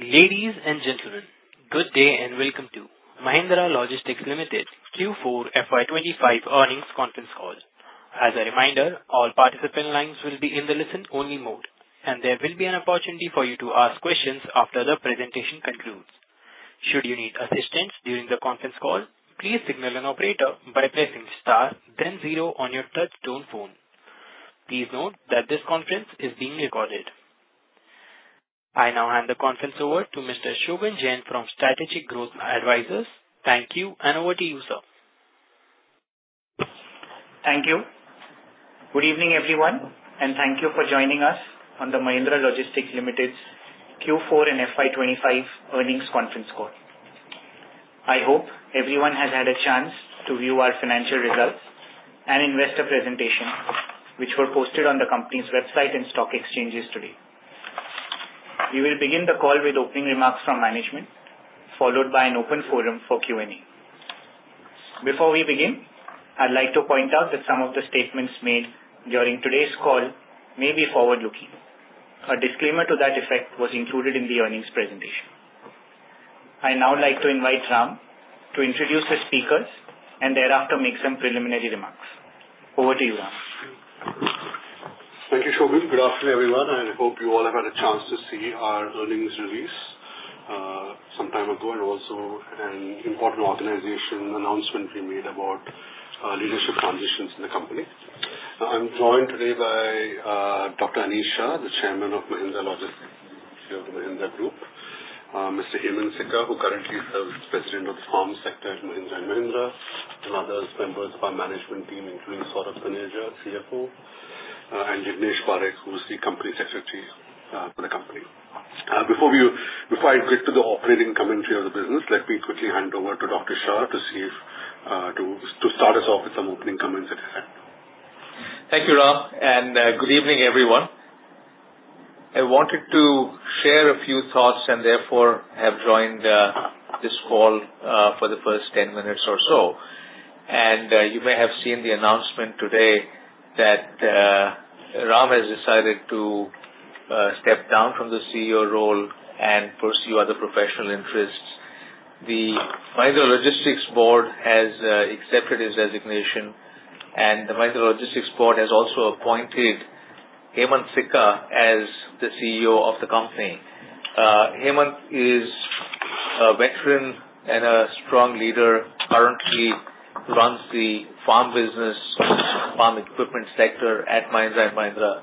Ladies and gentlemen, good day and welcome to Mahindra Logistics Limited Q4 FY 2025 Earnings Conference Call. As a reminder, all participant lines will be in the listen-only mode, and there will be an opportunity for you to ask questions after the presentation concludes. Should you need assistance during the conference call, please signal an operator by pressing star, then zero on your touch-tone phone. Please note that this conference is being recorded. I now hand the conference over to Mr. Shogun Jain from Strategic Growth Advisors. Thank you, and over to you, sir. Thank you. Good evening, everyone, and thank you for joining us on the Mahindra Logistics Limited Q4 FY 2025 Earnings Conference Call. I hope everyone has had a chance to view our financial results and investor presentation, which were posted on the company's website and stock exchanges today. We will begin the call with opening remarks from management, followed by an open forum for Q&A. Before we begin, I'd like to point out that some of the statements made during today's call may be forward-looking. A disclaimer to that effect was included in the earnings presentation. I now like to invite Ram to introduce the speakers and thereafter make some preliminary remarks. Over to you, Ram. Thank you, Shogun. Good afternoon, everyone. I hope you all have had a chance to see our earnings release some time ago and also an important organization announcement we made about leadership transitions in the company. I'm joined today by Dr. Anish Shah, the Chairman of Mahindra Logistics here at the Mahindra Group, Mr. Hemant Sikka, who currently serves as President of the farm sector at Mahindra and other members of our management team, including Saurabh Taneja, CFO, and Yogesh Patel, who is the Company Secretary for the company. Before I get to the operating commentary of the business, let me quickly hand over to Dr. Shah to start us off with some opening comments ahead. Thank you, Ram, and good evening, everyone. I wanted to share a few thoughts and therefore have joined this call for the first 10 minutes or so. You may have seen the announcement today that Ram has decided to step down from the CEO role and pursue other professional interests. The Mahindra Logistics Board has accepted his resignation, and the Mahindra Logistics Board has also appointed Hemant Sikka as the CEO of the company. Hemant is a veteran and a strong leader, currently who runs the farm business, farm equipment sector at Mahindra & Mahindra,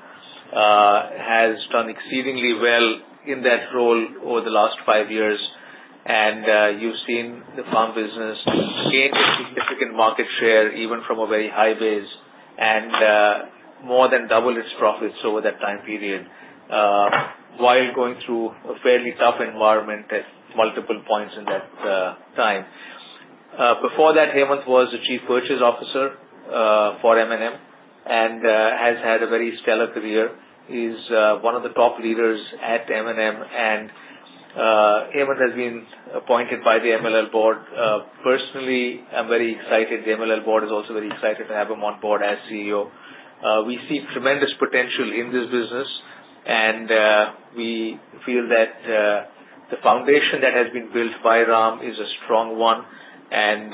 has done exceedingly well in that role over the last five years, and you have seen the farm business gain a significant market share even from a very high base and more than double its profits over that time period while going through a fairly tough environment at multiple points in that time. Before that, Hemant was a Chief Purchase Officer for M&M and has had a very stellar career. He's one of the top leaders at M&M, and Hemant has been appointed by the MLL board. Personally, I'm very excited. The MLL board is also very excited to have him on board as CEO. We see tremendous potential in this business, and we feel that the foundation that has been built by Ram is a strong one and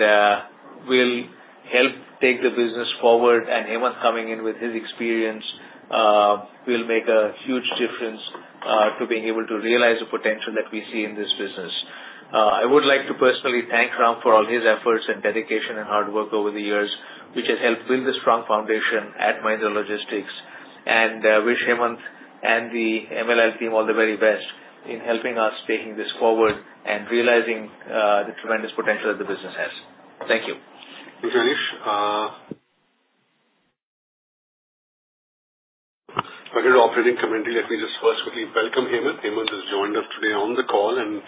will help take the business forward. Hemant coming in with his experience will make a huge difference to being able to realize the potential that we see in this business. I would like to personally thank Ram for all his efforts and dedication and hard work over the years, which has helped build a strong foundation at Mahindra Logistics, and wish Hemant and the MLL team all the very best in helping us take this forward and realizing the tremendous potential that the business has. Thank you. Thank you, Anish. If I can do operating commentary, let me just first quickly welcome Hemant. Hemant has joined us today on the call, and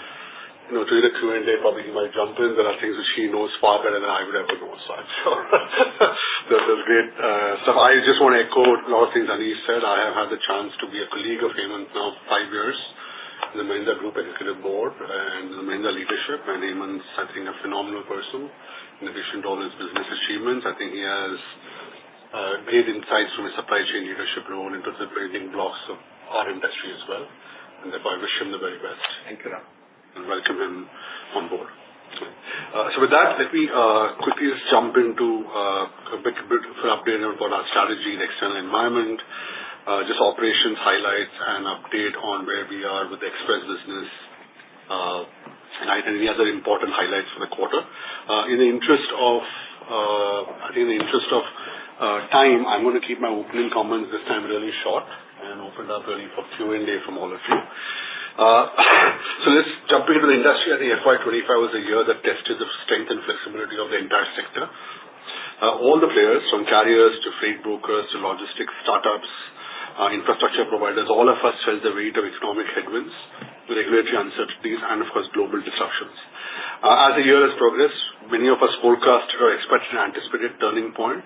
to the Q&A, probably he might jump in. There are things which he knows far better than I would ever know, so I'm sure. That's great. I just want to echo a lot of things Anish said. I have had the chance to be a colleague of Hemant now for five years in the Mahindra Group Executive Board and the Mahindra leadership, and Hemant's, I think, a phenomenal person in addition to all his business achievements. I think he has great insights from his supply chain leadership role into the building blocks of our industry as well. Therefore, I wish him the very best. Thank you, Ram. Welcome him on board. With that, let me quickly just jump into a bit of an update about our strategy, the external environment, just operations highlights, and an update on where we are with the express business and any other important highlights for the quarter. In the interest of time, I'm going to keep my opening comments this time really short and open up for Q&A from all of you. Let's jump into the industry. I think FY2025 was a year that tested the strength and flexibility of the entire sector. All the players, from carriers to freight brokers to logistics startups, infrastructure providers, all of us felt the weight of economic headwinds, regulatory uncertainties, and of course, global disruptions. As the year has progressed, many of us forecast or expected an anticipated turning point,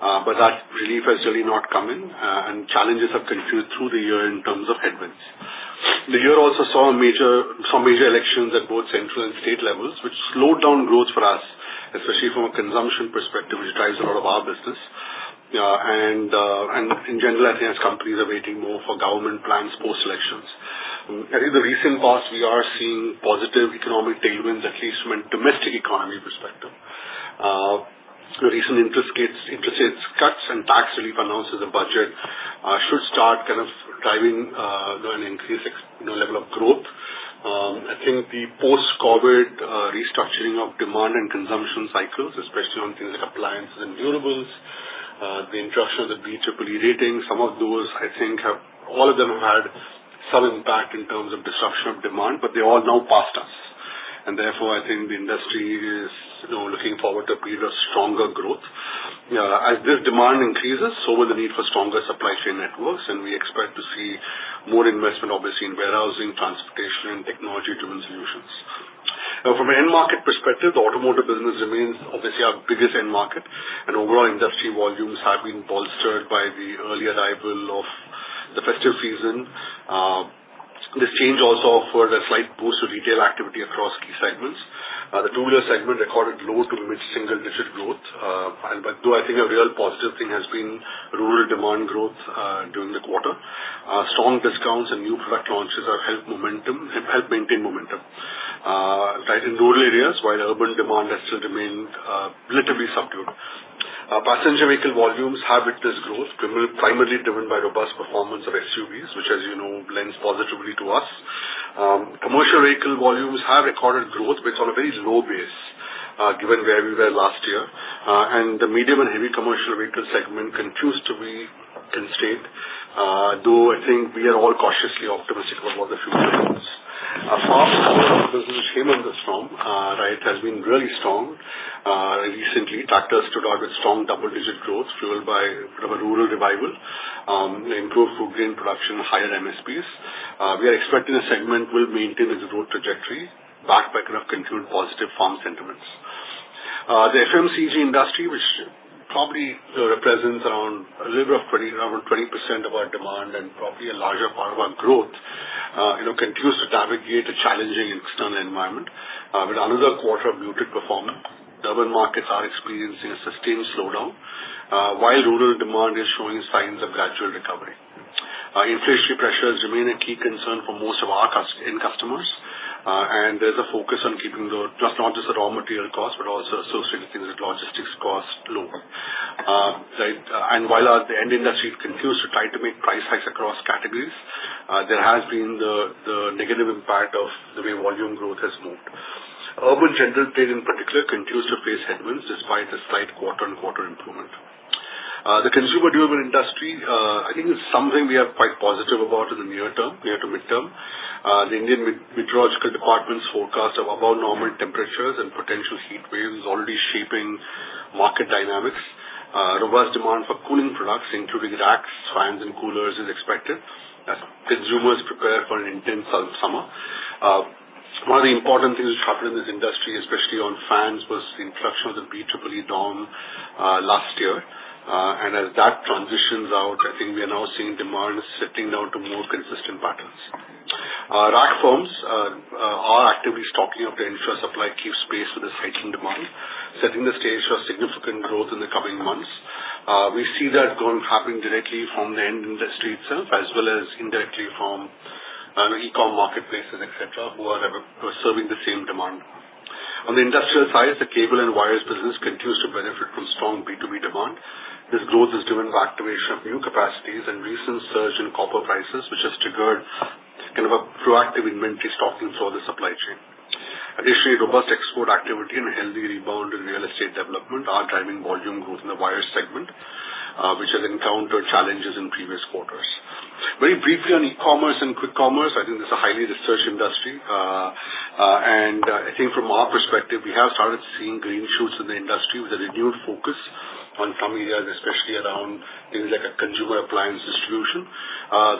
but that relief has really not come in, and challenges have continued through the year in terms of headwinds. The year also saw some major elections at both central and state levels, which slowed down growth for us, especially from a consumption perspective, which drives a lot of our business. In general, I think as companies are waiting more for government plans post-elections. I think the recent past we are seeing positive economic tailwinds, at least from a domestic economy perspective. The recent interest rate cuts and tax relief announced in the budget should start kind of driving an increased level of growth. I think the post-COVID restructuring of demand and consumption cycles, especially on things like appliances and durables, the introduction of the BEEE rating, some of those, I think, have all of them had some impact in terms of disruption of demand, but they all now passed us. Therefore, I think the industry is looking forward to a period of stronger growth. As this demand increases, so will the need for stronger supply chain networks, and we expect to see more investment, obviously, in warehousing, transportation, and technology-driven solutions. From an end market perspective, the automotive business remains obviously our biggest end market, and overall industry volumes have been bolstered by the early arrival of the festive season. This change also offered a slight boost to retail activity across key segments. The two-wheeler segment recorded low to mid-single-digit growth, although I think a real positive thing has been rural demand growth during the quarter. Strong discounts and new product launches have helped maintain momentum in rural areas, while urban demand has still remained relatively subdued. Passenger vehicle volumes have witnessed growth, primarily driven by robust performance of SUVs, which, as you know, lends positively to us. Commercial vehicle volumes have recorded growth, but it is on a very low base given where we were last year. The medium and heavy commercial vehicle segment continues to be constrained, though I think we are all cautiously optimistic about what the future holds. Farm support for the business which came on this ramp has been really strong. Recently, tractors stood out with strong double-digit growth fueled by rural revival, improved food grain production, and higher MSPs. We are expecting the segment will maintain its growth trajectory backed by kind of continued positive farm sentiments. The FMCG industry, which probably represents around a little bit of 20% of our demand and probably a larger part of our growth, continues to navigate a challenging external environment. With another quarter of muted performance. The urban markets are experiencing a sustained slowdown, while rural demand is showing signs of gradual recovery. Inflationary pressures remain a key concern for most of our end customers, and there is a focus on keeping not just the raw material costs, but also associated things like logistics costs low. While the end industry continues to try to make price hikes across categories, there has been the negative impact of the way volume growth has moved. Urban general trade in particular continues to face headwinds despite the slight quarter-on-quarter improvement. The consumer durable industry, I think, is something we are quite positive about in the near term, near to midterm. The Indian Meteorological Department's forecast of above-normal temperatures and potential heat waves is already shaping market dynamics. Robust demand for cooling products, including racks, fans, and coolers, is expected as consumers prepare for an intense summer. One of the important things which happened in this industry, especially on fans, was the introduction of the BEEE DOM last year. As that transitions out, I think we are now seeing demand sitting down to more consistent patterns. Rack firms are actively stocking up to ensure supply keeps pace with this heightened demand, setting the stage for significant growth in the coming months. We see that happening directly from the end industry itself, as well as indirectly from e-com marketplaces, etc., who are serving the same demand. On the industrial side, the cable and wires business continues to benefit from strong B2B demand. This growth is driven by activation of new capacities and recent surge in copper prices, which has triggered kind of a proactive inventory stocking through the supply chain. Additionally, robust export activity and a healthy rebound in real estate development are driving volume growth in the wire segment, which has encountered challenges in previous quarters. Very briefly on e-commerce and quick commerce, I think this is a highly researched industry. I think from our perspective, we have started seeing green shoots in the industry with a renewed focus on some areas, especially around things like consumer appliance distribution.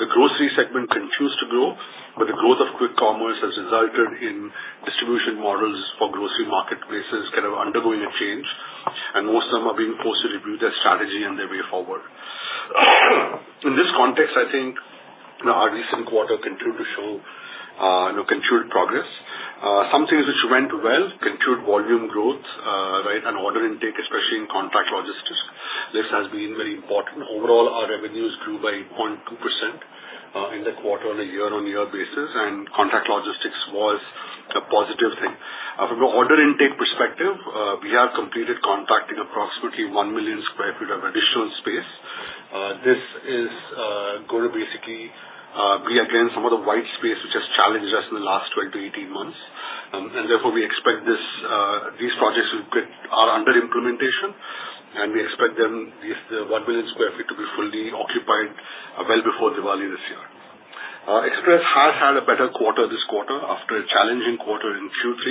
The grocery segment continues to grow, but the growth of quick commerce has resulted in distribution models for grocery marketplaces kind of undergoing a change, and most of them are being forced to rebuild their strategy and their way forward. In this context, I think our recent quarter continued to show continued progress. Some things which went well continued volume growth and order intake, especially in contract logistics. This has been very important. Overall, our revenues grew by 8.2% in the quarter on a year-on-year basis, and contract logistics was a positive thing. From the order intake perspective, we have completed compacting across with the 1 million sq ft of additional space. This is going to basically be again some of the white space which has challenged us in the last 12 to 18 months. Therefore, we expect these projects are under implementation, and we expect them to be 1 million sq ft to be fully occupied well before Diwali this year. Express has had a better quarter this quarter after a challenging quarter in Q3,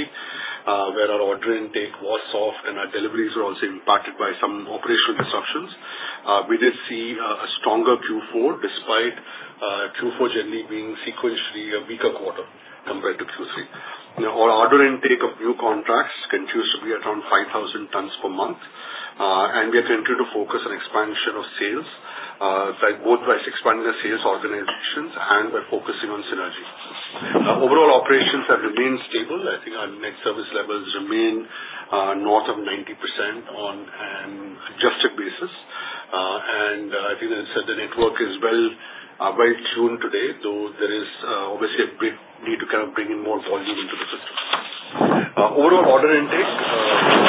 where our order intake was soft and our deliveries were also impacted by some operational disruptions. We did see a stronger Q4 despite Q4 generally being sequentially a weaker quarter compared to Q3. Our order intake of new contracts continues to be around 5,000 tons per month, and we are continuing to focus on expansion of sales, both by expanding the sales organizations and by focusing on synergy. Overall, operations have remained stable. I think our net service levels remain north of 90% on an adjusted basis. I think the network is well tuned today, though there is obviously a big need to kind of bring in more volume into the system. Overall, order intake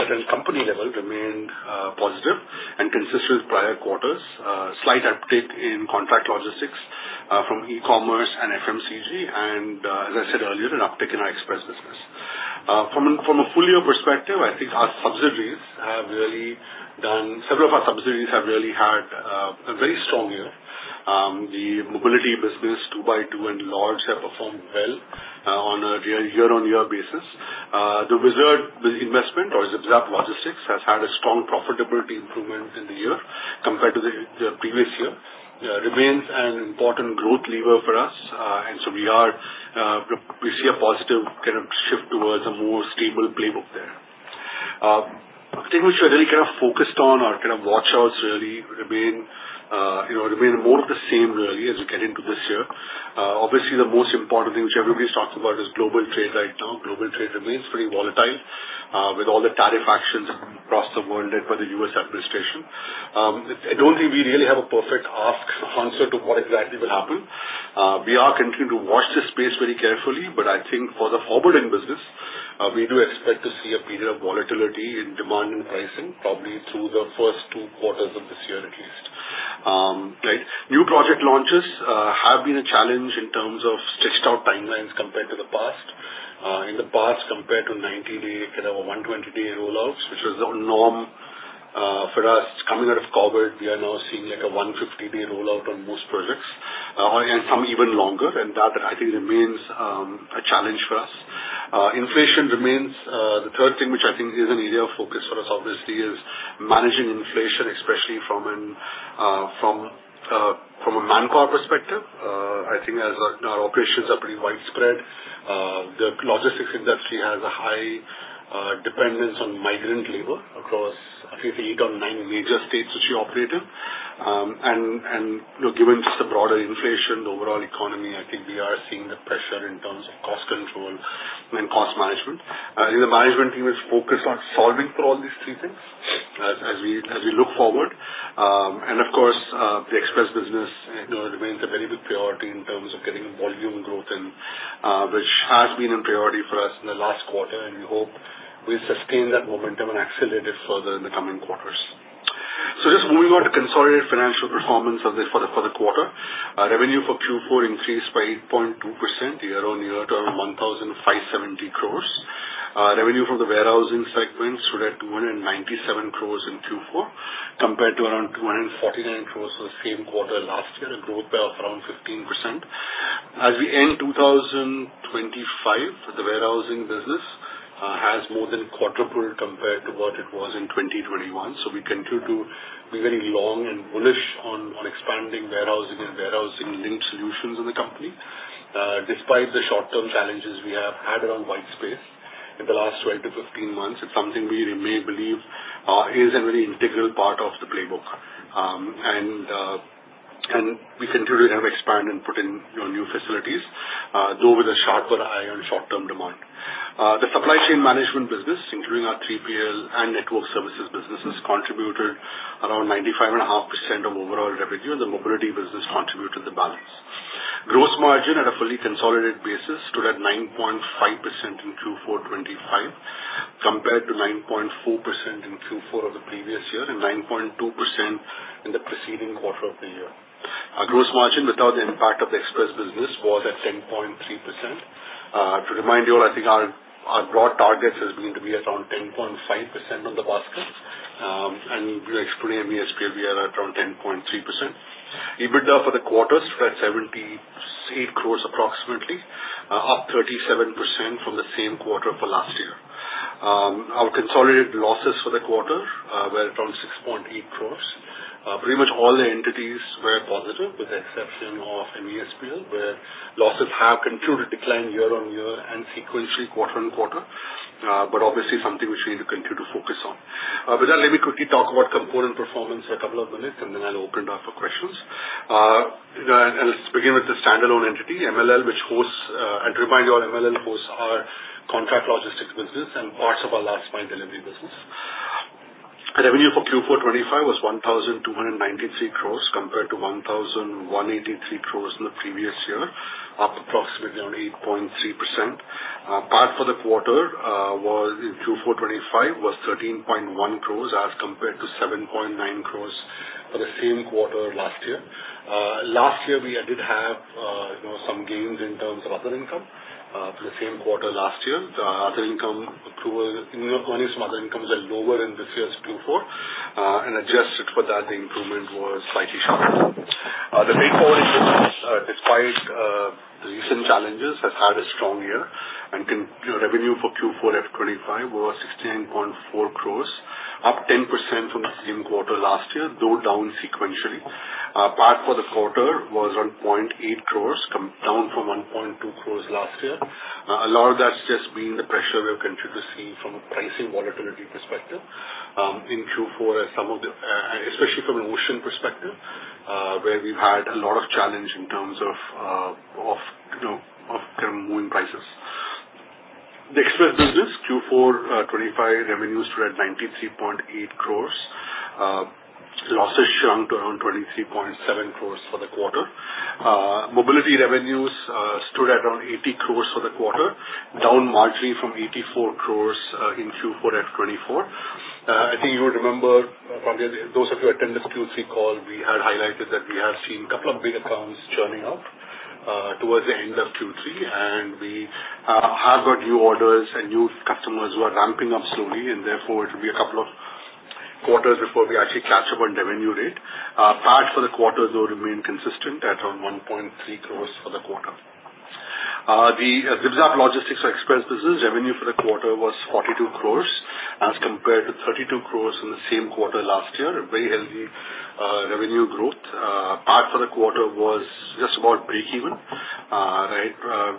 at a company level remained positive and consistent with prior quarters. Slight uptake in contract logistics from e-commerce and FMCG, and as I said earlier, an uptake in our express business. From a full year perspective, I think our subsidiaries have really done several of our subsidiaries have really had a very strong year. The mobility business, 2x2 and large, have performed well on a year-on-year basis. The Whizzard investment or Zipzap Logistics has had a strong profitability improvement in the year compared to the previous year. It remains an important growth lever for us, and we see a positive kind of shift towards a more stable playbook there. I think which we're really kind of focused on, our kind of watch outs really remain more of the same really as we get into this year. Obviously, the most important thing which everybody's talking about is global trade right now. Global trade remains pretty volatile with all the tariff actions across the world and by the U.S. administration. I don't think we really have a perfect answer to what exactly will happen. We are continuing to watch this space very carefully, but I think for the forwarding business, we do expect to see a period of volatility in demand and pricing, probably through the first two quarters of this year at least. New project launches have been a challenge in terms of stretched-out timelines compared to the past. In the past, compared to 90-day kind of a 120-day rollouts, which was the norm for us coming out of COVID, we are now seeing like a 150-day rollout on most projects and some even longer. That, I think, remains a challenge for us, inflation remains. The third thing which I think is an area of focus for us, obviously, is managing inflation, especially from a manpower perspective. I think as our operations are pretty widespread, the logistics industry has a high dependence on migrant labor across I think eight or nine major states which we operate in. Given just the broader inflation, the overall economy, I think we are seeing the pressure in terms of cost control and cost management. I think the management team is focused on solving for all these three things as we look forward. Of course, the express business remains a very big priority in terms of getting volume growth in, which has been a priority for us in the last quarter, and we hope we'll sustain that momentum and accelerate it further in the coming quarters. Just moving on to consolidated financial performance for the quarter. Revenue for Q4 increased by 8.2% year-on-year to around 1,570 crores. Revenue from the warehousing segment stood at 297 crores in Q4 compared to around 249 crores for the same quarter last year, a growth of around 15%. As we end 2025, the warehousing business has more than quadrupled compared to what it was in 2021. We continue to be very long and bullish on expanding warehousing and warehousing-linked solutions in the company. Despite the short-term challenges we have had around white space in the last 12 months to 15 months, it's something we may believe is a very integral part of the playbook. We continue to kind of expand and put in new facilities, though with a sharper eye on short-term demand. The supply chain management business, including our 3PL and network services businesses, contributed around 95.5% of overall revenue, and the mobility business contributed the balance. Gross margin at a fully consolidated basis stood at 9.5% in Q4 2025 compared to 9.4% in Q4 of the previous year and 9.2% in the preceding quarter of the year. Our gross margin without the impact of the express business was at 10.3%. To remind you all, I think our broad target has been to be around 10.5% on the basket, and we're explaining VSPL we are at around 10.3%. EBITDA for the quarter stood at 78 crores approximately, up 37% from the same quarter for last year. Our consolidated losses for the quarter were around 6.8 crores. Pretty much all the entities were positive with the exception of MESPL, where losses have continued to decline year-on-year and sequentially quarter on quarter, but obviously something which we need to continue to focus on. With that, let me quickly talk about component performance for a couple of minutes, and then I'll open it up for questions. Let's begin with the standalone entity, MLL, which hosts, and to remind you all, MLL hosts our contract logistics business and parts of our last mile delivery business. Revenue for Q4 2025 was 1,293 crores compared to 1,183 crores in the previous year, up approximately around 8.3%. Part for the quarter was in Q4 2025 was 13.1 crores as compared to 7.9 crores for the same quarter last year. Last year, we did have some gains in terms of other income for the same quarter last year. Other income accrual earnings from other incomes were lower than this year's Q4, and adjusted for that, the improvement was slightly sharper. The straightforward business, despite the recent challenges, has had a strong year, and revenue for Q4 2025 was 15.4 crores, up 10% from the same quarter last year, though down sequentially. Part for the quarter was around 1.8 crores, down from 1.2 crores last year. A lot of that's just been the pressure we have continued to see from a pricing volatility perspective in Q4, especially from an ocean perspective, where we've had a lot of challenge in terms of kind of moving prices. The express business, Q4 2025 revenue stood at 93.8 crores. Losses shrunk to around 23.7 crores for the quarter. Mobility revenues stood at around 80 crores for the quarter, down marginally from 84 crores in Q4 2024. I think you will remember, probably those of you who attended the Q3 call, we had highlighted that we had seen a couple of big accounts churning out towards the end of Q3, and we have got new orders and new customers who are ramping up slowly, and therefore it will be a couple of quarters before we actually catch up on revenue rate. PAT for the quarter, though, remained consistent at around 1.3 crores for the quarter. The ZipZap Logistics or express business revenue for the quarter was 42 crores as compared to 32 crores in the same quarter last year, very healthy revenue growth. PAT for the quarter was just about breakeven, right?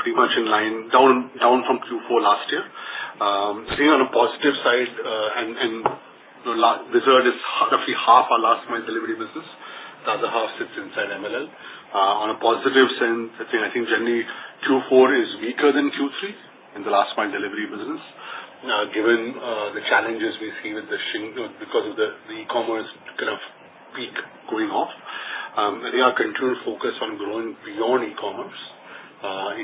Pretty much in line down from Q4 last year. Staying on a positive side, and Whizzard is roughly half our last mile delivery business. The other half sits inside MLL. On a positive sense, I think generally Q4 is weaker than Q3 in the last mile delivery business, given the challenges we've seen in addition because of the e-commerce kind of peak going off. They are continuing to focus on growing beyond e-commerce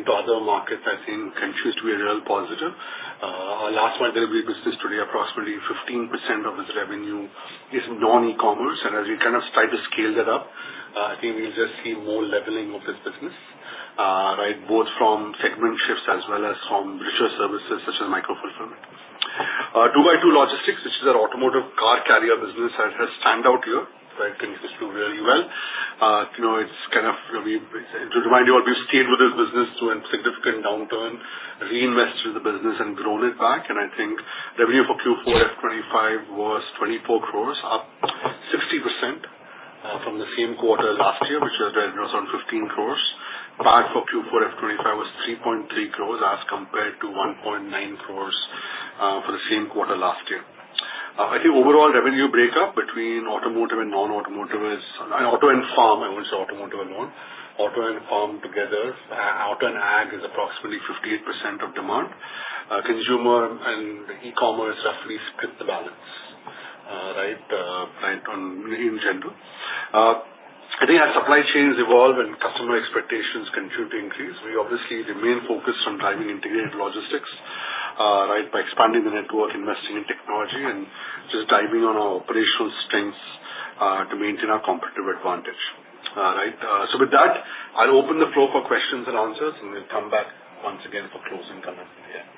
into other markets, I think, continues to be a real positive. Our last mile delivery business today, approximately 15% of its revenue is non-e-commerce, and as we kind of try to scale that up, I think we'll just see more leveling of this business, right? Both from segment shifts as well as from richer services such as micro fulfillment. 2x2 Logistics, which is our automotive car carrier business, has standout here, right, continues to do really well. It's kind of, to you all, we've stayed with this business through a significant downturn, reinvested the business, and grown it back. I think revenue for Q4 FY2025 was 240 million crores, up 60% from the same quarter last year, which was around 150 million crores. Part for Q4 FY 2025 was 33 million crores as compared to 1.9 million crores for the same quarter last year. I think overall revenue breakup between automotive and non-automotive is auto and farm, I won't say automotive alone. Auto and farm together, auto and ag is approximately 58% of demand. Consumer and e-commerce roughly split the balance, right, in general. I think as supply chains evolve and customer expectations continue to increase, we obviously remain focused on driving integrated logistics, right, by expanding the network, investing in technology, and just diving on our operational strengths to maintain our competitive advantage, right? With that, I'll open the floor for questions and answers, and we'll come back once again for closing comments at the end.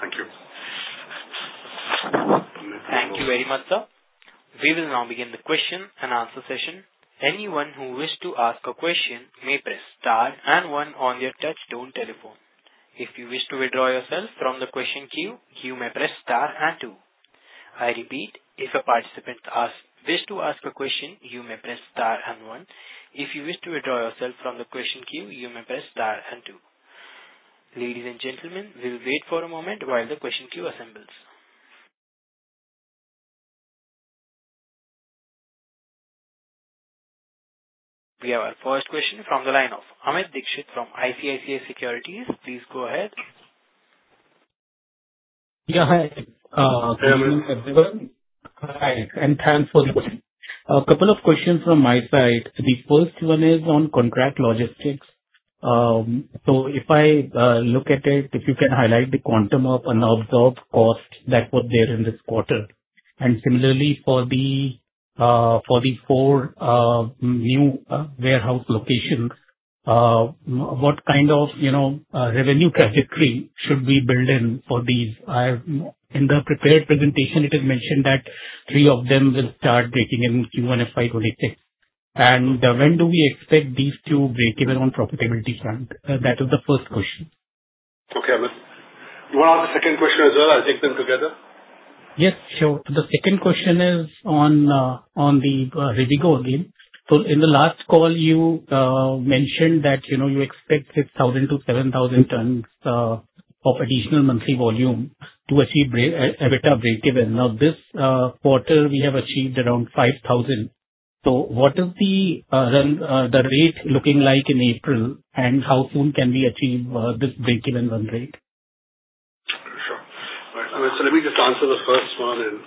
Thank you. Thank you very much, sir. We will now begin the question and answer session. Anyone who wishes to ask a question may press star and one on their touchstone telephone. If you wish to withdraw yourself from the question queue, you may press star and two. I repeat, if a participant wishes to ask a question, you may press star and one. If you wish to withdraw yourself from the question queue, you may press star and two. Ladies and gentlemen, we'll wait for a moment while the question queue assembles. We have our first question from the line of Amit Dixit from Icici Securities. Please go ahead. Yeah, hi. Good afternoon, everyone. Hi. thanks for the question. A couple of questions from my side. The first one is on contract logistics. If I look at it, if you can highlight the quantum of unobserved costs that were there in this quarter. Similarly, for the four new warehouse locations, what kind of revenue trajectory should we build in for these? In the prepared presentation, it is mentioned that three of them will start breaking in Q1 FY 2026. When do we expect these two break even on the profitability front? That is the first question. Okay. You want to ask the second question as well? I'll take them together. Yes, sure. The second question is on the Rivigo again. In the last call, you mentioned that you expect 6,000 tons to 7,000 tons of additional monthly volume to achieve EBITDA breakeven. Now, this quarter, we have achieved around 5,000 tons. What is the rate looking like in April, and how soon can we achieve this breakeven run rate? Sure. Let me just answer the first one and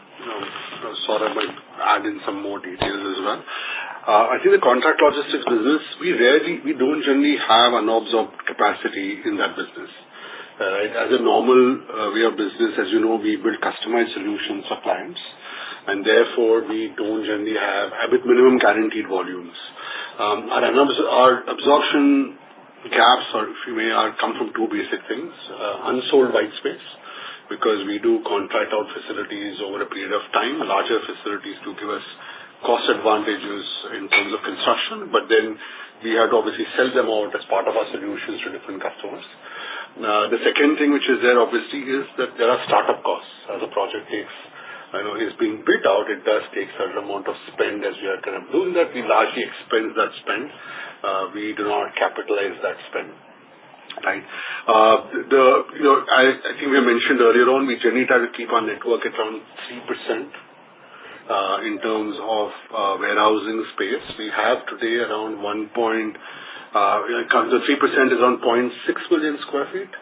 sort of add in some more details as well. I think the contract logistics business, we don't generally have unobserved capacity in that business, right? As a normal way of business, as you know, we build customized solutions for clients, and therefore, we don't generally have minimum guaranteed volumes. Our absorption gaps, if you may, come from two basic things: unsold white space because we do contract out facilities over a period of time, larger facilities to give us cost advantages in terms of construction, but then we have to obviously sell them out as part of our solutions to different customers. The second thing which is there, obviously, is that there are startup costs. As a project is being built out, it does take a certain amount of spend as we are kind of doing that. We largely expend that spend. We do not capitalize that spend, right? I think we have mentioned earlier on, we generally try to keep our network at around 3%. In terms of warehousing space, we have today around 1.3% is around 1.6 million sq ft.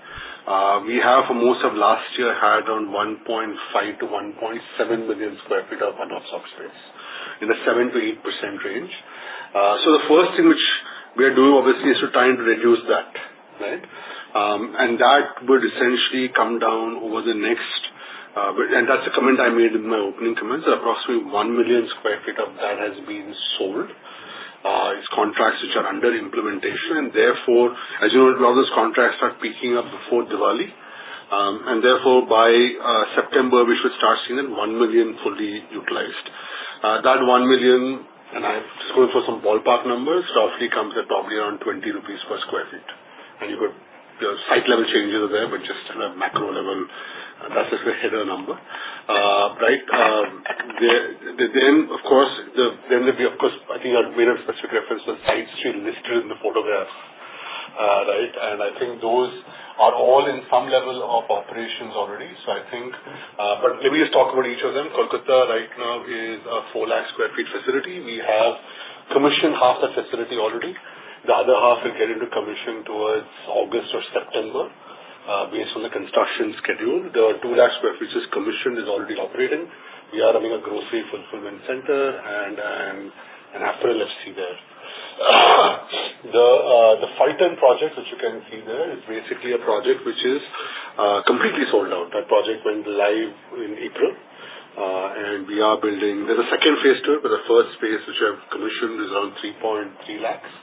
We have, for most of last year, had around 1.5 million sq ft to 1.7 million sq ft of unobserved space in the 7% to 8% range. The first thing which we are doing, obviously, is to try and reduce that, right? That would essentially come down over the next and that's the comment I made in my opening comments, approximately 1 million sq ft of that has been sold. It's contracts which are under implementation. Therefore, as you know, a lot of those contracts are picking up before Diwali. Therefore, by September, we should start seeing 1 million fully utilized. That 1 million, and I'm just going for some ballpark numbers, roughly comes at probably around 20 crores rupees per sq ft. Your site level changes are there, but just kind of macro level, that's just the header number, right? Of course, I think I made a specific reference to the sites listed in the photographs, right? I think those are all in some level of operations already. I think, let me just talk about each of them. Kolkata, right now, is a 400,000 sq ft facility. We have commissioned half the facility already. The other half will get into commission towards August or September based on the construction schedule. The 2 lakh sq ft is commissioned, is already operating. We are running a grocery fulfillment center and an Afro LFC there. The 5-ton project, which you can see there, is basically a project which is completely sold out. That project went live in April, and we are building. Tthere's a second phase to it, but the first phase, which I've commissioned, is around 3.3 lakhs,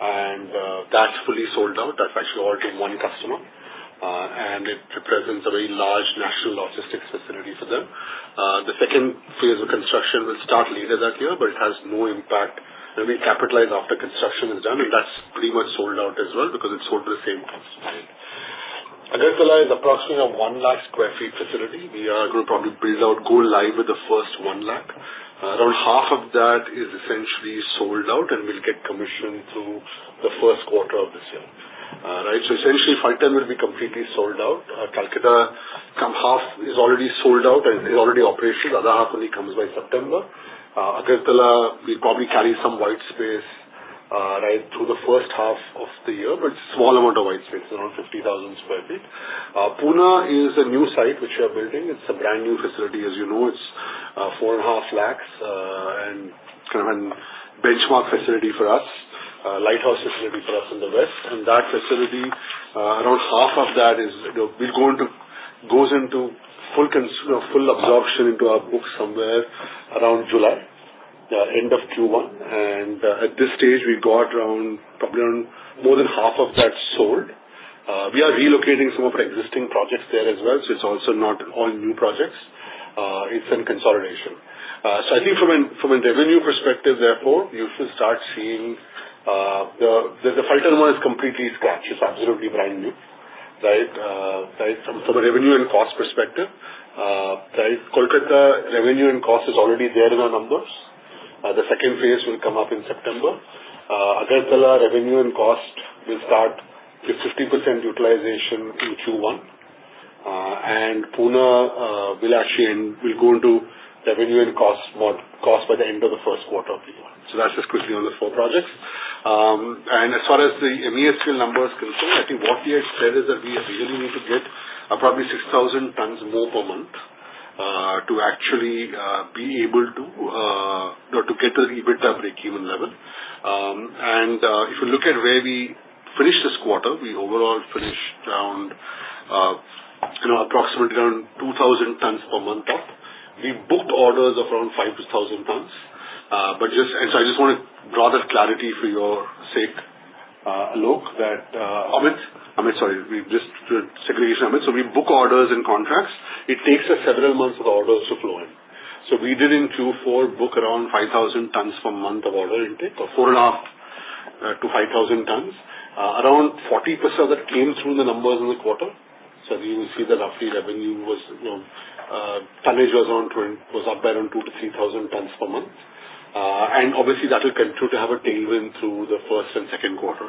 and that's fully sold out. That's actually all to one customer, and it represents a very large national logistics facility for them. The second phase of construction will start later that year, but it has no impact. We capitalize after construction is done, and that's pretty much sold out as well because it's sold to the same customer. Agartala is approximately a 1 lakh sq ft facility. We are going to probably build out, go live with the first 1 lakh. Around half of that is essentially sold out, and we'll get commissioned through the first quarter of this year, right? Essentially, 5-ton will be completely sold out. Kolkata half is already sold out and is already operational. The other half only comes by September. Agartala will probably carry some white space, right, through the first half of the year, but it's a small amount of white space, around 50,000 sq ft. Pune is a new site which we are building. It's a brand new facility. As you know, it's 4.5 lakh sq ft and kind of a benchmark facility for us, a lighthouse facility for us in the west. That facility, around half of that, will go into full absorption into our books somewhere around July, end of Q1. At this stage, we've got around probably more than half of that sold. We are relocating some of our existing projects there as well, so it's also not all new projects. It's in consolidation. I think from a revenue perspective, therefore, you should start seeing the 5-ton one is completely scratched. It's absolutely brand new, right? From a revenue and cost perspective, right? Kolkata, revenue and cost is already there in our numbers. The second phase will come up in September. Agartala, revenue and cost will start with 50% utilization in Q1, and Pune will actually go into revenue and cost by the end of the first quarter of the year. That's just quickly on the four projects. As far as the MESQ numbers concerned, I think what we had said is that we really need to get probably 6,000 tons more per month to actually be able to get to the EBITDA breakeven level. If you look at where we finished this quarter, we overall finished around approximately 2,000 tons per month now. We booked orders of around 5,000 tons. I just want to draw that clarity for your sake, Amit. Sorry. We just did a segregation. We book orders and contracts. It takes us several months for the orders to flow in. We did in Q4, book around 5,000 tons per month of order intake, or 4,500 tons to 5,000 tons. Around 40% of that came through in the numbers in the quarter. You will see that roughly revenue was tonnage was up by around 2,000 tons to 3,000 tons per month. Obviously, that will continue to have a tailwind through the first and second quarter.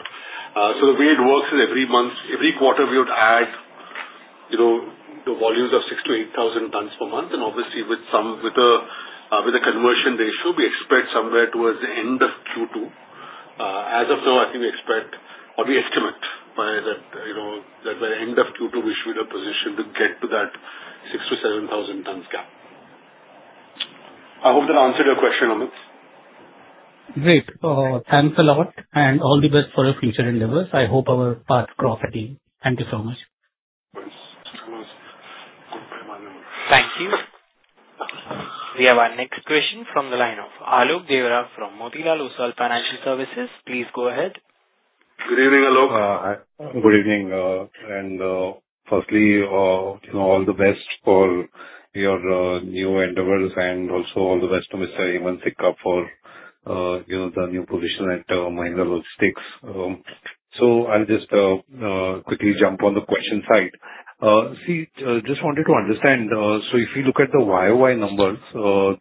The way it works is every quarter, we would add the volumes of 6,000 tons to 8,000 tons per month. Obviously, with a conversion ratio, we expect somewhere towards the end of Q2. As of now, I think we expect, or we estimate that by the end of Q2, we should be in a position to get to that 6,000 tons to 7,000 tons cap. I hope that answered your question, Amit. Great. Thanks a lot, and all the best for your future endeavors. I hope our paths cross again. Thank you so much. Thank you. We have our next question from the line of Alok Dharia from Motilal Oswal Financial Services. Please go ahead. Good evening, Alok. Good evening. Firstly, all the best for your new endeavors and also all the best to Mr. Hemant Sikka for the new position at Mahindra Logistics. I'll just quickly jump on the question side. See, just wanted to understand. If you look at the Y-o-Y numbers,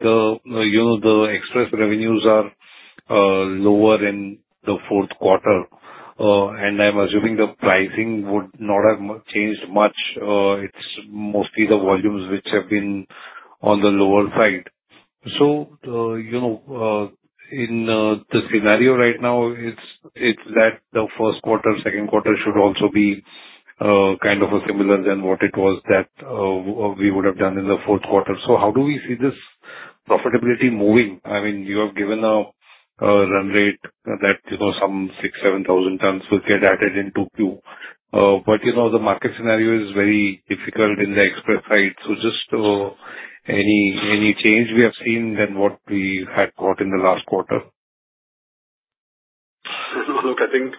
the express revenues are lower in the fourth quarter, and I'm assuming the pricing would not have changed much. It's mostly the volumes which have been on the lower side. In the scenario right now, it's that the first quarter, second quarter should also be kind of similar than what it was that we would have done in the fourth quarter. How do we see this profitability moving? I mean, you have given a run rate that some 6,000 tons to 7,000 tons will get added into Q. The market scenario is very difficult in the express side. Just any change we have seen than what we had got in the last quarter? Look, I think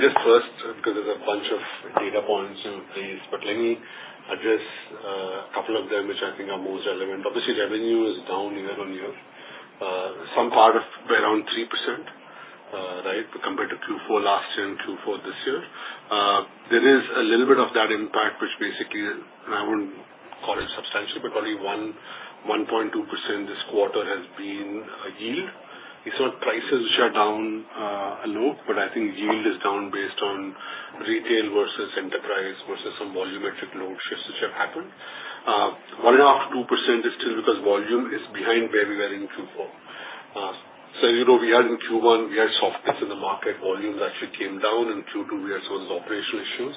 just first, because there's a bunch of data points in place, let me address a couple of them which I think are most relevant. Obviously, revenue is down year on year. Some part of around 3%, right, compared to Q4 last year and Q4 this year. There is a little bit of that impact, which basically, and I wouldn't call it substantial, but only 1.2% this quarter has been yield. It's not prices which are down, Alok, but I think yield is down based on retail versus enterprise versus some volumetric load shifts which have happened. 1.5 % to 2% is still because volume is behind where we were in Q4. We had in Q1, we had softness in the market volume actually came down. In Q2, we had some of those operational issues.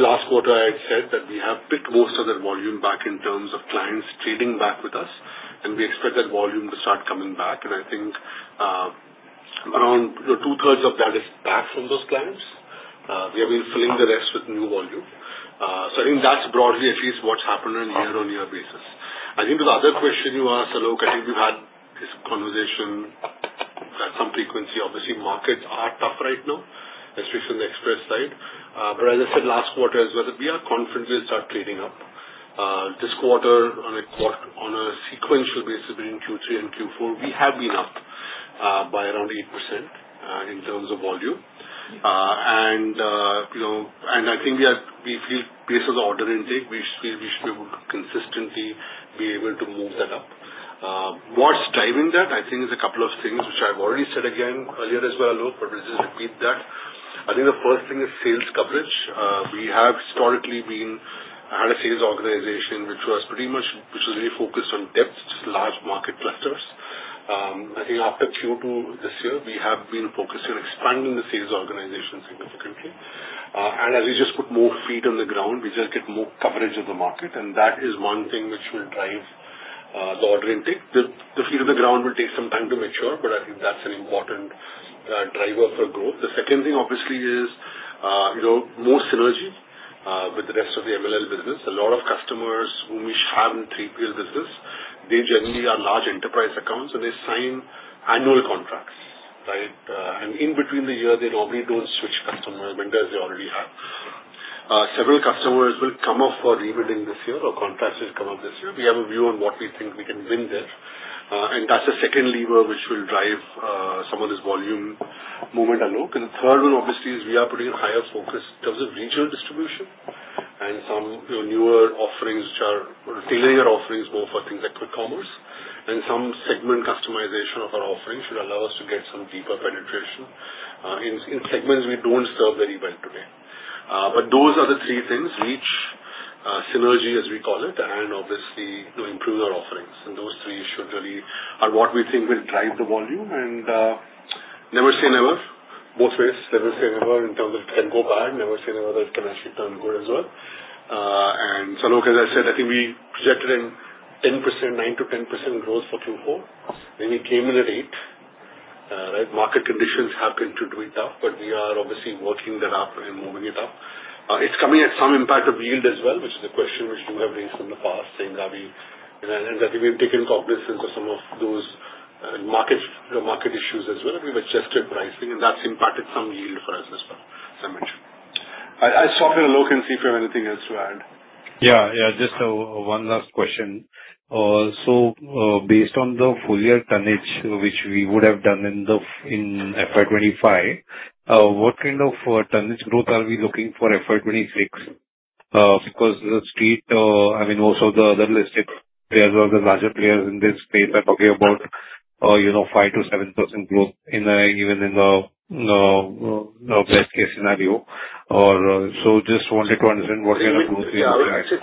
Last quarter, I had said that we have picked most of that volume back in terms of clients trading back with us, and we expect that volume to start coming back. I think around 2/3 of that is back from those clients. We have been filling the rest with new volume. I think that's broadly at least what's happened on a year-on-year basis. I think the other question you asked, Alok, I think we've had this conversation at some frequency. Obviously, markets are tough right now, especially on the express side. As I said last quarter as well, we are confidently start trading up. This quarter, on a sequential basis between Q3 and Q4, we have been up by around 8% in terms of volume. I think we feel based on the order intake, we should be able to consistently be able to move that up. What's driving that, I think, is a couple of things which I've already said again earlier as well, Alok, but I'll just repeat that. I think the first thing is sales coverage. We have historically had a sales organization which was pretty much focused on depth, just large market clusters. I think after Q2 this year, we have been focused on expanding the sales organization significantly. As we just put more feet on the ground, we just get more coverage of the market. That is one thing which will drive the order intake. The feet on the ground will take some time to mature, but I think that's an important driver for growth. The second thing, obviously, is more synergy with the rest of the MLL business. A lot of customers whom we have in the 3PL business, they generally are large enterprise accounts, and they sign annual contracts, right, in between the year, they normally don't switch customers when they already have. Several customers will come up for rebidding this year, or contracts will come up this year. We have a view on what we think we can win there. That is the second lever which will drive some of this volume movement, Alok. The third one, obviously, is we are putting a higher focus in terms of regional distribution and some newer offerings which are tailoring our offerings more for things like quick commerce. Some segment customization of our offering should allow us to get some deeper penetration in segments we don't serve very well today. Those are the three things: reach, synergy, as we call it, and obviously improving our offerings. Those three should really be what we think will drive the volume. Never say never. Both ways. Never say never in terms of it can go bad. Never say never that it can actually turn good as well. Alok, as I said, I think we projected a 9% to 10% growth for Q4. We came in at 8%. Market conditions have been to do it up, but we are obviously working that up and moving it up. It is coming at some impact of yield as well, which is a question which you have raised in the past, saying that we have taken cognizance of some of those market issues as well. We have adjusted pricing, and that has impacted some yield for us as well, as I mentioned. I'll stop here, Alok, and see if you have anything else to add. Yeah. Yeah. Just one last question. Based on the full year tonnage which we would have done in FY2025, what kind of tonnage growth are we looking for FY 2026? The street, I mean, most of the other listed players or the larger players in this space are talking about 5% to 7% growth even in the best-case scenario. I just wanted to understand what kind of growth we have there.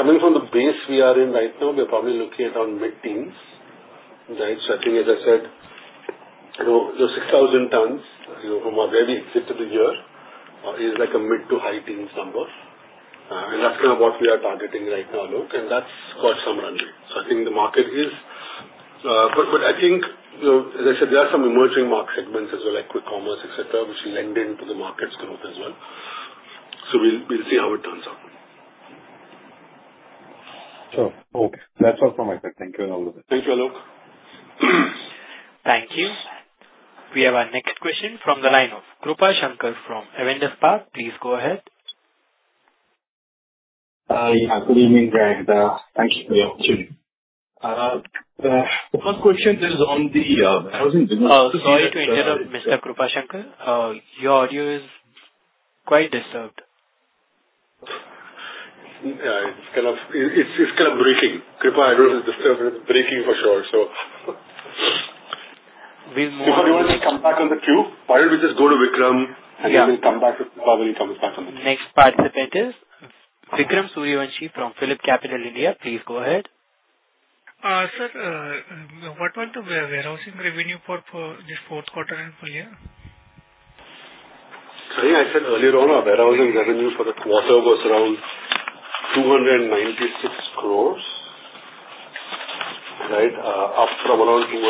Coming from the base we are in right now, we're probably looking at around mid-teens, right? I think, as I said, the 6,000 tons from where we exited the year is like a mid to high-teens number. That's kind of what we are targeting right now, Alok, and that's got some runway, I think the market is. But I think, as I said, there are some emerging market segments as well, like quick commerce, etc., which lend into the market's growth as well. We'll see how it turns out. Sure. Okay. That's all from my side. Thank you, Alok. Thank you, Alok. Thank you. We have our next question from the line of Krupashankar from Avendus Spark. Please go ahead. Yeah. Good evening, Agartala. Thank you for the opportunity. The first question is on business. Sorry to interrupt, Mr. Krupashankar. Your audio is quite disturbed. Yeah. It's kind of breaking. Krupashankar disturbing and breaking for sure, so. Before you want to come back on the Q, why don't we just go to Vikram, and then we'll come back to Krupa when he comes back on the Q. Next participant is Vikram Suryavanshi from Phillip Capital India. Please go ahead. Sir, what was the warehousing revenue for this fourth quarter in full year? I think I said earlier sour warehousing revenue for the quarter was around 296 crore, right, up from around 29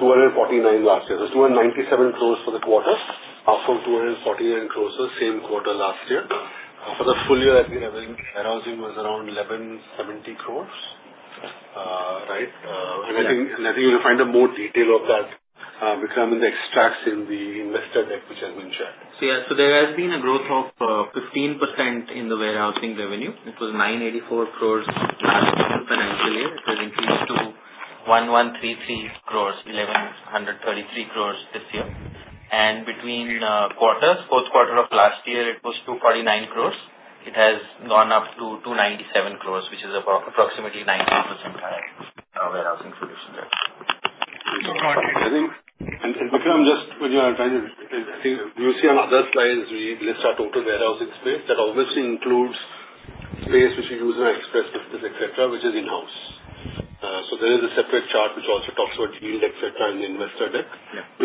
crores last year. So 297 crores for the quarter, up from 249 crores for the same quarter last year. For the full year, I think warehousing was around 1,170 crores, right? I think you'll find more detail of that, Vikram, in the extracts in the investor deck which have been shared. There has been a growth of 15% in the warehousing revenue. It was 984 crores last financial year. It has increased to 1,133 crores, 1,133 crores this year. Between quarters, fourth quarter of last year, it was 249 crores. It has gone up to 297 crores, which is approximately 19% higher warehousing solution there. I think, Vikram, just when you are trying to, I think, you see on other slides, we list our total warehousing space. That obviously includes space which we use in our express business, etc., which is in-house. There is a separate chart which also talks about yield, etc., in the investor deck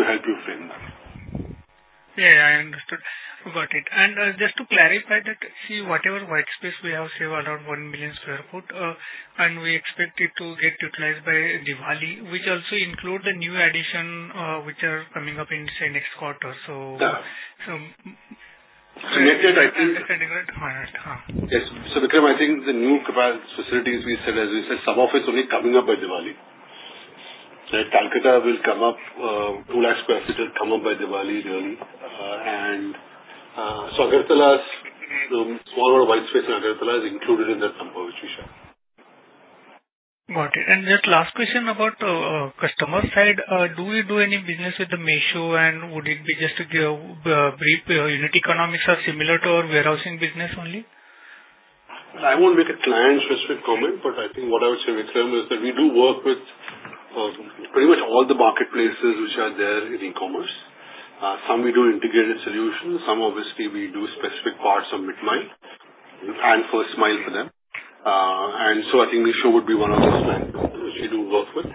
to help you frame that. Yeah. Yeah. I understood. Got it. Just to clarify that, see, whatever white space we have saved, around 1 million sq ft, and we expect it to get utilized by Diwali, which also includes the new additions which are coming up in, say, next quarter. Connected, I think. So anywhere prior to comp. Yes. Vikram, I think the new capacity facilities we said, as we said, some of it is only coming up by Diwali. Kolkata will come up. 200,000 sq ft will come up by Diwali, really. Agarthala's small white space in Agartala is included in that number which we shared. Got it. Just last question about customer side. Do you do any business with Mesho? Would it be just to give a brief, unit economics are similar to our warehousing business only? I won't make a client-specific comment, but I think what I would say, Vikram, is that we do work with pretty much all the marketplaces which are there in e-commerce. Some we do integrated solutions. Some, obviously, we do specific parts of mid-mile and first mile for them. I think Mesho would be one of those clients which we do work with,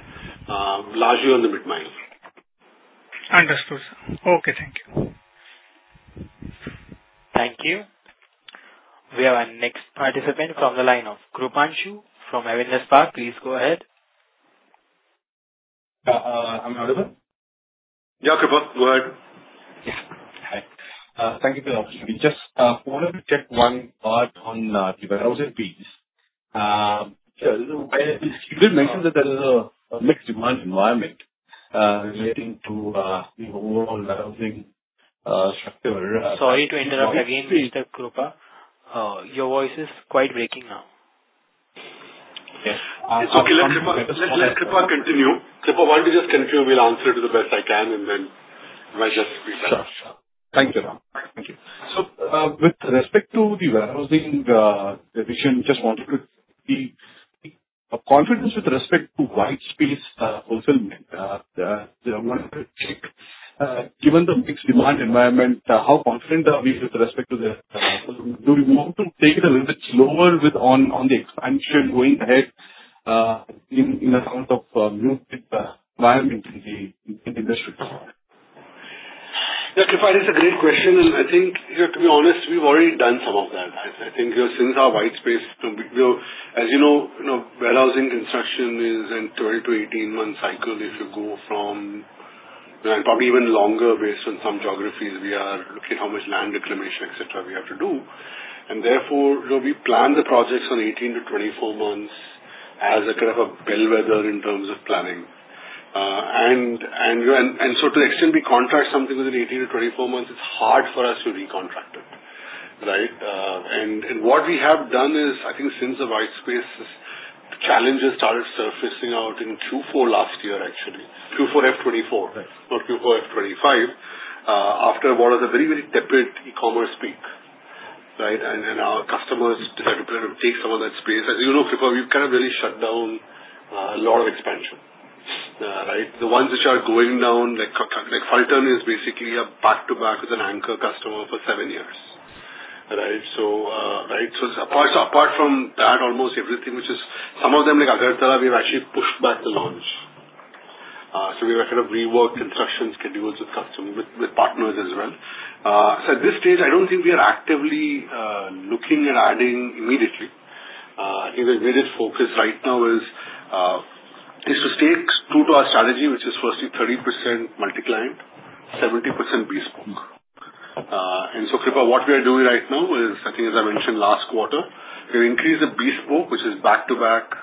largely on the mid-mile. Understood. Okay. Thank you. Thank you. We have our next participant from the line of Krupashankar from Avendus Spark. Please go ahead. I'm not able? Yeah, Krupa. Go ahead. Yeah. Hi. Thank you for the opportunity. Just wanted to check one part on the warehousing piece. Sure. You did mention that there is a mixed demand environment relating to the overall warehousing structure. Sorry to interrupt again, Mr. Krupa. Your voice is quite breaking now. Okay. Let's let Krupa continue. Krupa, why don't you just continue? We'll answer to the best I can, and then you might just read that. Sure. Sure. Thank you, Ram. Thank you. With respect to the warehousing division, just wanted to be confident with respect to white space fulfillment. I wanted to check, given the mixed demand environment, how confident are we with respect to the expansion, do we want to take it a little bit slower on the expansion going ahead in the kind of new environment in the industry? Yeah. Krupa, this is a great question. I think, to be honest, we've already done some of that. I think since our white space, as you know, warehousing construction is a 12 month to 18 month cycle. If you go from and probably even longer based on some geographies. We are looking at how much land reclamation, etc., we have to do. Therefore, we plan the projects on 18 months to 24 months as a kind of a bellwether in terms of planning. To the extent we contract something within 18 months to 24 months, it's hard for us to recontract it, right? What we have done is, I think since the white space challenges started surfacing out in Q4 last year, actually, Q4 FY 2024, not Q4 FY 2025, after what was a very, very tepid e-commerce peak, right? Our customers decided to take some of that space. As you know, Krupa, we've kind of really shut down a lot of expansion, right? The ones which are going down, like Faltern, is basically a back-to-back with an anchor customer for seven years, right? Apart from that, almost everything, which is some of them like Agartala's, we've actually pushed back the launch. We've kind of reworked construction schedules with partners as well. At this stage, I don't think we are actively looking at adding immediately. I think the immediate focus right now is to stay true to our strategy, which is firstly 30% multi-client, 70% bespoke. Krupa, what we are doing right now is, I think, as I mentioned last quarter, we've increased the bespoke, which is back-to-back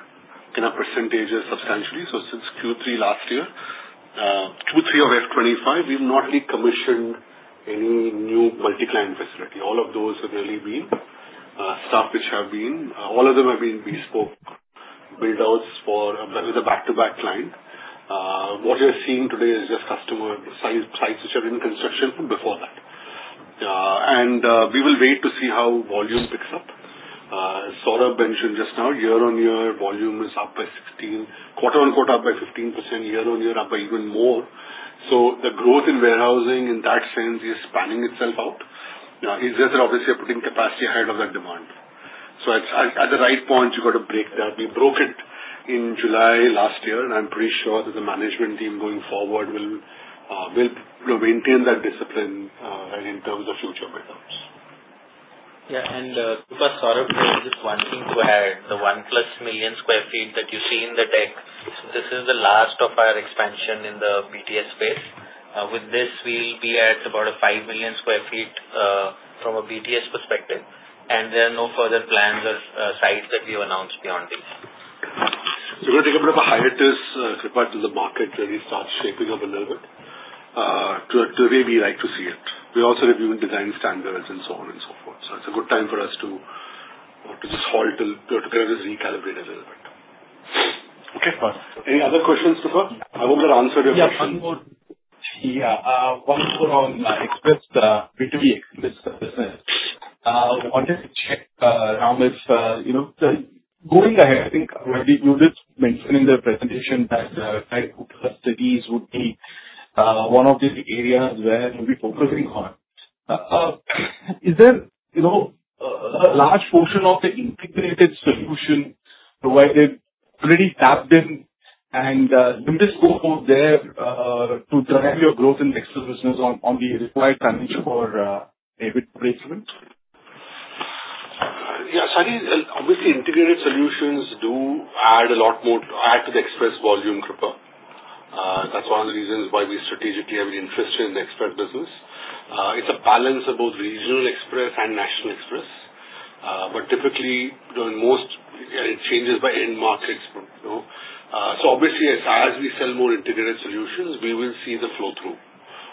in a percentage substantially. Since Q3 last year, Q3 of FY 2025, we've not really commissioned any new multi-client facility. All of those have really been stuff which have beenall of them have been bespoke build-outs with a back-to-back client. What you're seeing today is just customer sites which are in construction from before that. We will wait to see how volume picks up. Saurabh mentioned just now, year-on-year volume is up by 16%, quarter-on-quarter up by 15%, year-on-year up by even more. The growth in warehousing in that sense is panning itself out. It's just that, obviously, we're putting capacity ahead of that demand. At the right point, you've got to break that. We broke it in July last year, and I'm pretty sure that the management team going forward will maintain that discipline in terms of future build-outs. Yeah. Krupa. Saurabh. Just one thing to add the 1 plus million sq ft that you see in the deck. This is the last of our expansion in the BTS space. With this, we'll be at about 5 million sq ft from a BTS perspective. There are no further plans or sites that we have announced beyond these. We're taking a bit of a hiatus to get back to the market, really start shaping up a little bit to the way we like to see it. We're also reviewing design standards and so on and so forth. It's a good time for us to just halt, to kind of just recalibrate a little bit. Okay. Any other questions, Krupa? I hope that answered your question. Yeah. One more. Yeah. One more on express B2B express business. I wanted to check, Ram, if going ahead, I think you did mention in the presentation that the right custodies would be one of the areas where we'll be focusing on. Is there a large portion of the integrated solution provided already tapped in and limited scope of there to drive your growth in express business on the required financial for EBIT ratio? Yeah. I think, obviously, integrated solutions do add a lot more add to the express volume, Krupa. That's one of the reasons why we strategically have an interest in the express business. It's a balance of both regional express and national express. Typically, most changes by end markets. Obviously, as we sell more integrated solutions, we will see the flow-through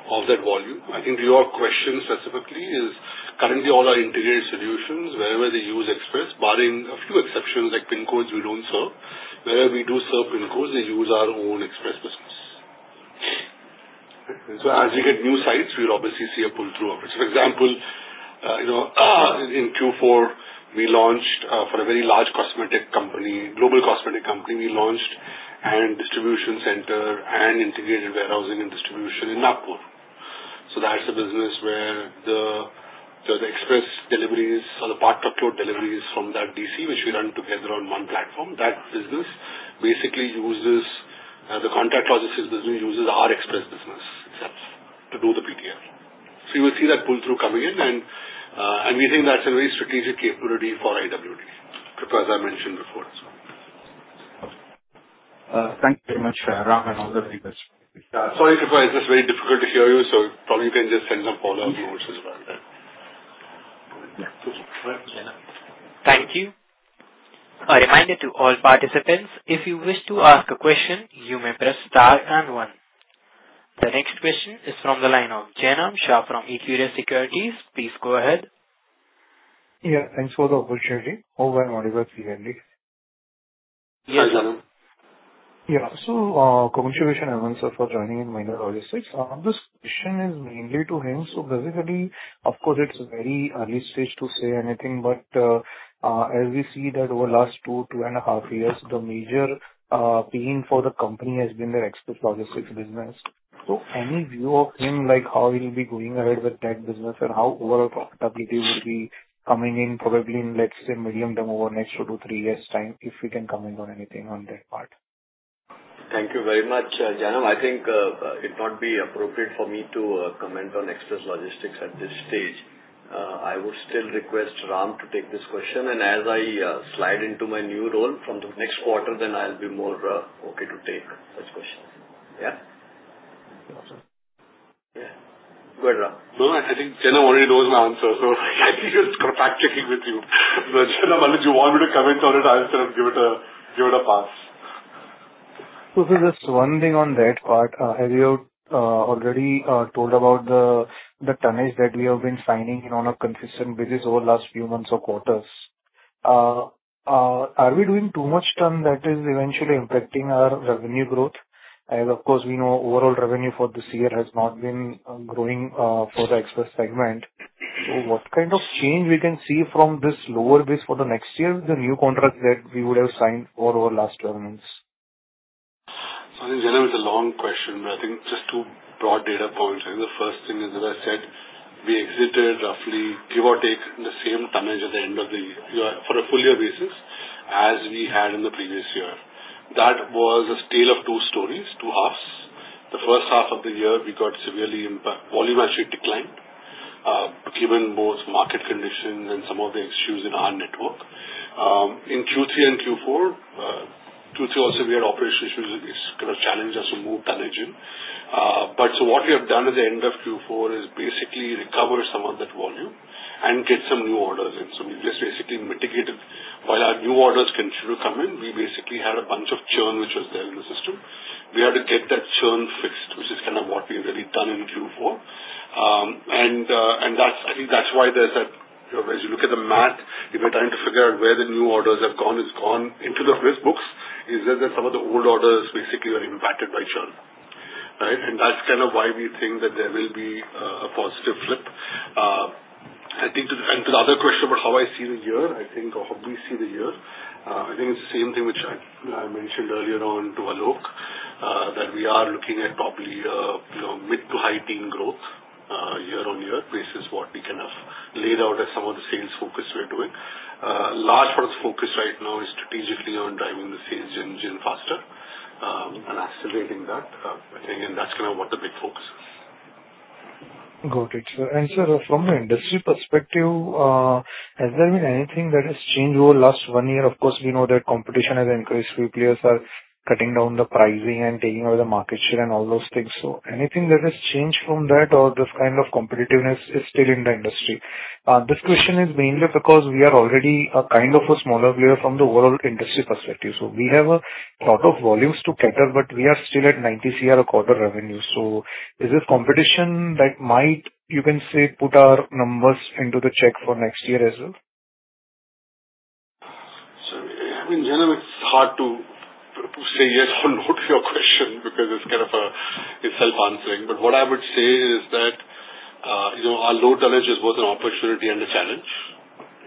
of that volume. I think your question specifically is currently all our integrated solutions, wherever they use express, barring a few exceptions like PIN codes we don't serve. Wherever we do serve PIN codes, they use our own express business. As we get new sites, we'll obviously see a pull-through of it. For example, in Q4, we launched for a very large cosmetic company, global cosmetic company, we launched a distribution center and integrated warehousing and distribution in Nagpur. That's a business where the express deliveries or the part-of-load deliveries from that DC, which we run together on one platform, that business basically uses the contract logistics business, uses our express business itself to do the PTF. You will see that pull-through coming in. We think that's a very strategic capability for AWD, Krupa, as I mentioned before as well. Thank you very much, Ram, and all the very best. Sorry, Krupa. It's just very difficult to hear you. Probably you can just send some follow-up notes as well. Thank you. A reminder to all participants, if you wish to ask a question, you may press star and one. The next question is from the line of Janam Shah from Equirus Securities. Please go ahead. Yeah. Thanks for the opportunity. Hope I'm audible clearly. Yes, Janam. Yeah. Congratulations, Hemant, for joining in Mahindra Logistics. This question is mainly to him. Basically, of course, it's a very early stage to say anything. As we see that over the last two, two and a half years, the major pain for the company has been their express logistics business. Any view of him, like how he'll be going ahead with that business and how overall profitability will be coming in probably in, let's say, medium term over the next two to three years' time if we can comment on anything on that part. Thank you very much, Janam. I think it would not be appropriate for me to comment on express logistics at this stage. I would still request Rampraveen to take this question. As I slide into my new role from the next quarter, then I'll be more okay to take such questions. Yeah. Yeah. Go ahead, Rampraveen. No, I think Janam already knows my answer. I think it's kind of fact-checking with you. Janam, unless you want me to comment on it, I'll sort of give it a pass. Just one thing on that part. As you already told about the tonnage that we have been signing on a consistent basis over the last few months or quarters, are we doing too much tonnage that is eventually impacting our revenue growth? Of course, we know overall revenue for this year has not been growing for the express segment. What kind of change can we see from this lower base for the next year with the new contracts that we would have signed for over the last 12 months? I think, Janam, it's a long question, but I think just two broad data points. The first thing is that I said we exited roughly, give or take, the same tonnage at the end of the year for a full-year basis as we had in the previous year. That was a tale of two stories, two halves. The first half of the year, we got severely impacted. Volume actually declined given both market conditions and some of the issues in our network. In Q3 and Q4, Q3 also, we had operational issues which kind of challenged us to move tonnage in. What we have done at the end of Q4 is basically recover some of that volume and get some new orders in. We have just basically mitigated while our new orders continue to come in, we basically had a bunch of churn which was there in the system. We had to get that churn fixed, which is kind of what we have really done in Q4. I think that's why there's that, as you look at the math, if you're trying to figure out where the new orders have gone, it's gone into the first books, it's just that some of the old orders basically are impacted by churn, right? That's kind of why we think that there will be a positive flip. I think to the other question about how I see the year, or how we see the year, I think it's the same thing which I mentioned earlier on to Alok, that we are looking at probably mid to high-teen growth year-on-year basis, what we kind of laid out as some of the sales focus we're doing. Large part of the focus right now is strategically on driving the sales engine faster and accelerating that. I think, again, that's kind of what the big focus is. Got it. Sir, from an industry perspective, has there been anything that has changed over the last one year? Of course, we know that competition has increased. Few players are cutting down the pricing and taking over the market share and all those things. Anything that has changed from that or this kind of competitiveness is still in the industry? This question is mainly because we are already kind of a smaller player from the overall industry perspective. We have a lot of volumes to cater, but we are still at 90 crores a quarter revenue. Is this competition that might, you can say, put our numbers into the check for next year as well? I mean, Janam, it's hard to say yes or no to your question because it's kind of self-answering. What I would say is that our low tonnage is both an opportunity and a challenge,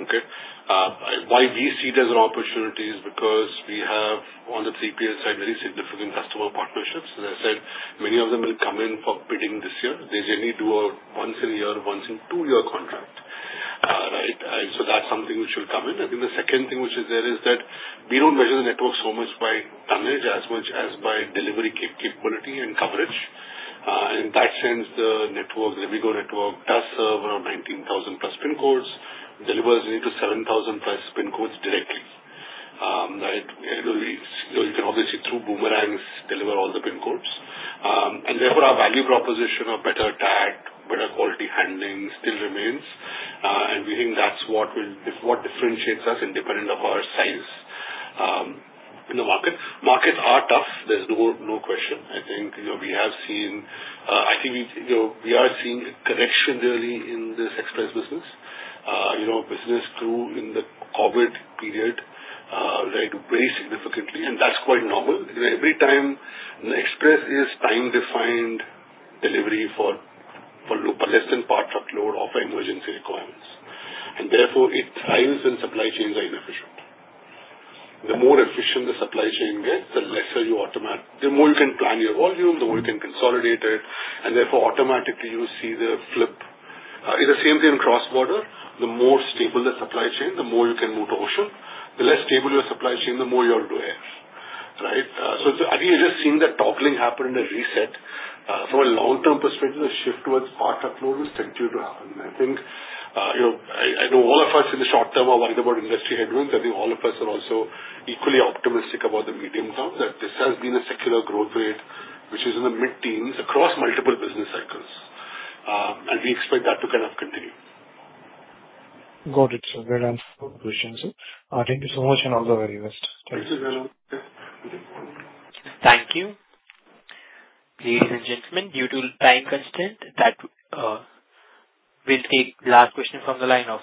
okay? Why we see it as an opportunity is because we have, on the 3PL side, very significant customer partnerships. As I said, many of them will come in for bidding this year. They generally do a once-in-a-year, once-in-two-year contract, right? That is something which will come in. I think the second thing which is there is that we do not measure the network so much by tonnage as much as by delivery capability and coverage. In that sense, the network, the Rivigo network, does serve around 19,000 plus PIN codes, delivers into 7,000 plus PIN codes directly. You can obviously, through boomerangs, deliver all the PIN codes. Therefore, our value proposition of better tag, better quality handling still remains. We think that's what differentiates us independent of our size in the market. Markets are tough. There's no question. I think we have seen, I think we are seeing a correction really in this express business. Business grew in the COVID period, right, very significantly. That's quite normal. Every time, express is time-defined delivery for less than part-of-load of emergency requirements. Therefore, it thrives when supply chains are inefficient. The more efficient the supply chain gets, the more you can plan your volume, the more you can consolidate it. Therefore, automatically, you see the flip. It's the same thing in cross-border. The more stable the supply chain, the more you can move to ocean. The less stable your supply chain, the more you're to air, right? I think you're just seeing that toggling happen in a reset. From a long-term perspective, the shift towards part-of-load is still due to happen. I think all of us, in the short term, are worried about industry headwinds. I think all of us are also equally optimistic about the medium term that this has been a secular growth rate, which is in the mid-teens across multiple business cycles. We expect that to kind of continue. Got it. Very answered to your question, sir. Thank you so much and all the very best. Thank you, Janam. Thank you. Ladies and gentlemen, due to time constant, we'll take the last question from the line of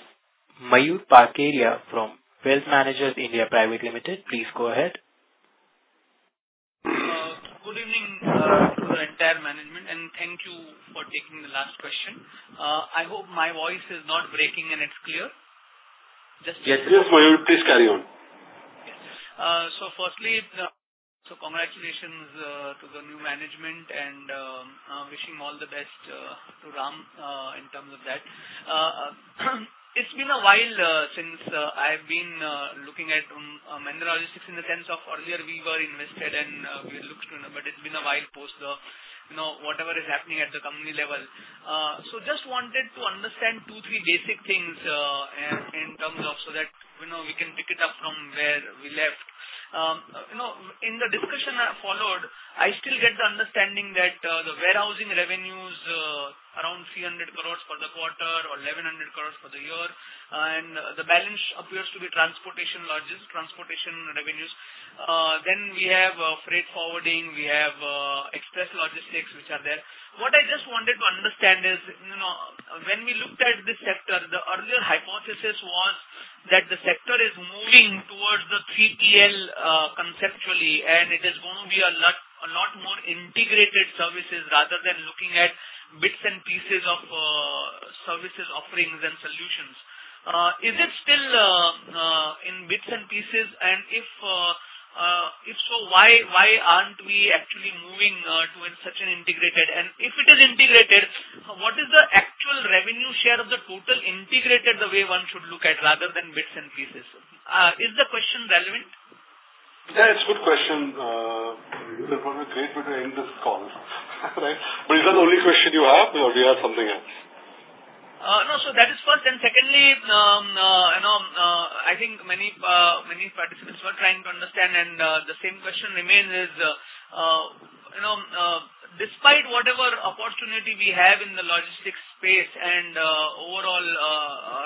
Mayur Parkeria from Wealth Managers India Private Limited. Please go ahead. Good evening to the entire management. Thank you for taking the last question. I hope my voice is not breaking and it's clear. Yes, yes, Mayur, please carry on. Firstly, congratulations to the new management and wishing all the best to Rampraveen in terms of that. It's been a while since I've been looking at Mahindra Logistics in the sense of earlier we were invested and we looked to, but it's been a while post whatever is happening at the company level. I just wanted to understand two, three basic things in terms of so that we can pick it up from where we left. In the discussion that followed, I still get the understanding that the warehousing revenues are around 300 crores for the quarter or 1,100 crores for the year. The balance appears to be transportation revenues. Then we have freight forwarding. We have express logistics, which are there. What I just wanted to understand is when we looked at this sector, the earlier hypothesis was that the sector is moving towards the 3PL conceptually, and it is going to be a lot more integrated services rather than looking at bits and pieces of services offerings and solutions. Is it still in bits and pieces? If so, why are we not actually moving to such an integrated? If it is integrated, what is the actual revenue share of the total integrated the way one should look at rather than bits and pieces? Is the question relevant? Yeah, it is a good question. It would be great to end this call, right? Is that the only question you have? Do you have something else? No, that is first. Secondly, I think many participants were trying to understand. The same question remains: despite whatever opportunity we have in the logistics space and overall,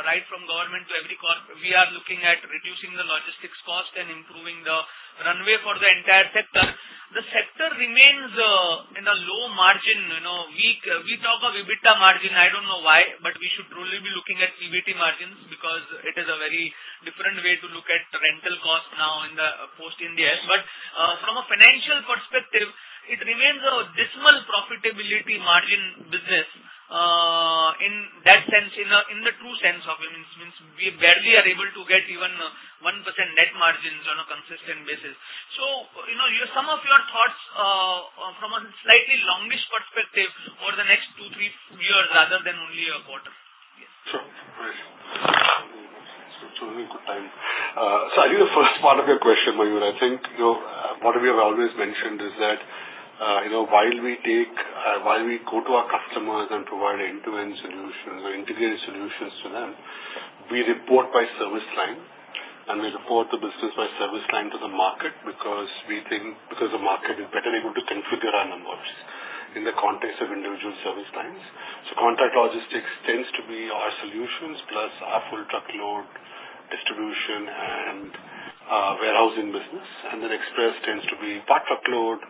right from government to every corporate, we are looking at reducing the logistics cost and improving the runway for the entire sector. The sector remains in a low margin. We talk of EBITDA margin. I do not know why, but we should really be looking at EBITDA margins because it is a very different way to look at rental cost now in the post-India era. From a financial perspective, it remains a dismal profitability margin business in that sense, in the true sense of it. It means we barely are able to get even 1% net margins on a consistent basis. Some of your thoughts from a slightly longish perspective over the next two to three years rather than only a quarter. Yes. Sure. Great. Thanks. It has been a good time. I think the first part of your question, Mayur, I think what we have always mentioned is that while we go to our customers and provide end-to-end solutions or integrated solutions to them, we report by service line. We report the business by service line to the market because we think the market is better able to configure our numbers in the context of individual service lines. Contract logistics tends to be our solutions plus our full truckload distribution and warehousing business. Express tends to be part-of-load.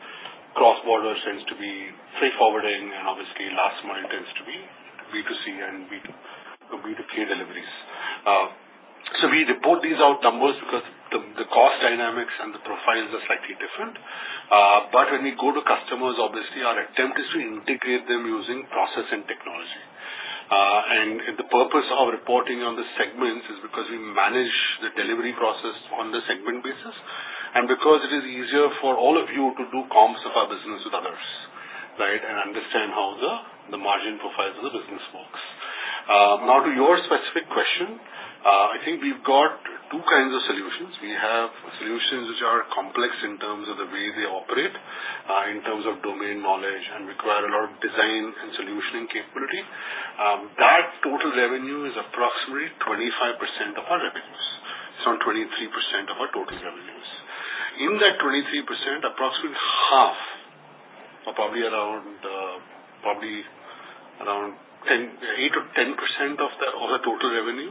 Cross-border tends to be freight forwarding. Obviously, last mile tends to be B2C and B2K deliveries. We report these out numbers because the cost dynamics and the profiles are slightly different. When we go to customers, obviously, our attempt is to integrate them using process and technology. The purpose of reporting on the segments is because we manage the delivery process on the segment basis. It is easier for all of you to do comps of our business with others, right, and understand how the margin profiles of the business works. Now, to your specific question, I think we've got two kinds of solutions. We have solutions which are complex in terms of the way they operate, in terms of domain knowledge, and require a lot of design and solutioning capability. That total revenue is approximately 25% of our revenues. It's around 23% of our total revenues. In that 23%, approximately half, or probably around 8% to 10% of the total revenue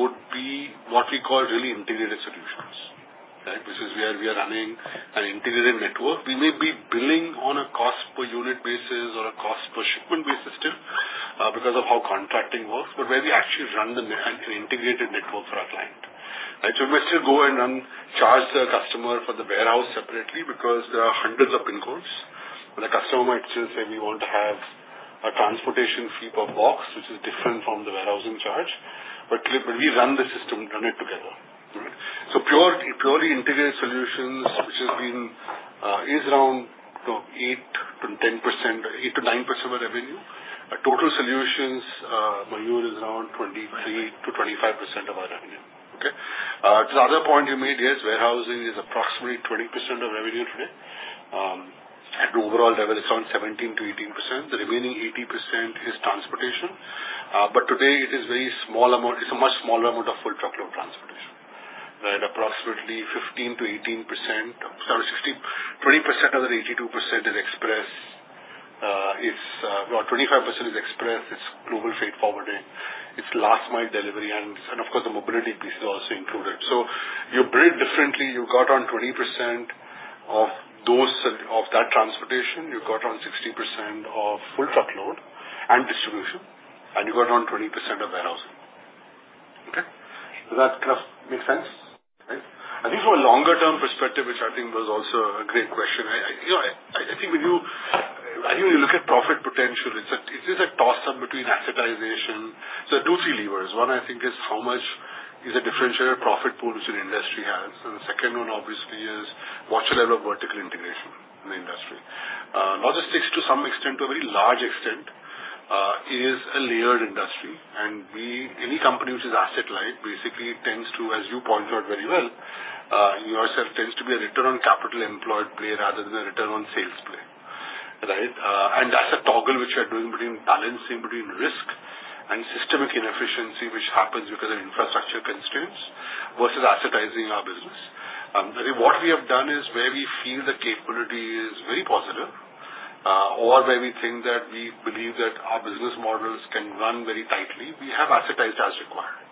would be what we call really integrated solutions, right, which is where we are running an integrated network. We may be billing on a cost-per-unit basis or a cost-per-shipment basis still because of how contracting works, but where we actually run an integrated network for our client, right? We might still go and charge the customer for the warehouse separately because there are hundreds of PIN codes. The customer might still say, "we want to have a transportation fee per box," which is different from the warehousing charge. We run the system, run it together, right? Purely integrated solutions, which has been is around 8% to 9% of our revenue. Total solutions, Mayur, is around 23% to 5% of our revenue, okay? The other point you made, yes, warehousing is approximately 20% of revenue today. At the overall level, it is around 17% to 18%. The remaining 80% is transportation. Today, it is a very small amount. It's a much smaller amount of full truckload transportation, right? Approximately 15% to 18%. Sorry, 20% of the 82% in Express. 25% of Express. It's global freight forwarding. It's last mile delivery. Of course, the mobility piece is also included. You break differently. You got around 20% of that transportation. You got around 60% of full truckload and distribution. You got around 20% of warehousing, okay? Does that kind of make sense, right? I think from a longer-term perspective, which I think was also a great question, I think when you look at profit potential, it is a toss-up between assetization. There are two-three levers. One, I think, is how much is a differential profit pool which an industry has. The second one, obviously, is what's your level of vertical integration in the industry? Logistics, to some extent, to a very large extent, is a layered industry. Any company which is asset-light basically tends to, as you point out very well yourself, tends to be a return-on-capital employed play rather than a return-on-sales play, right? That's a toggle which we are doing between balancing between risk and systemic inefficiency, which happens because of infrastructure constraints versus assetizing our business. I think what we have done is where we feel the capability is very positive or where we think that we believe that our business models can run very tightly, we have assetized as required.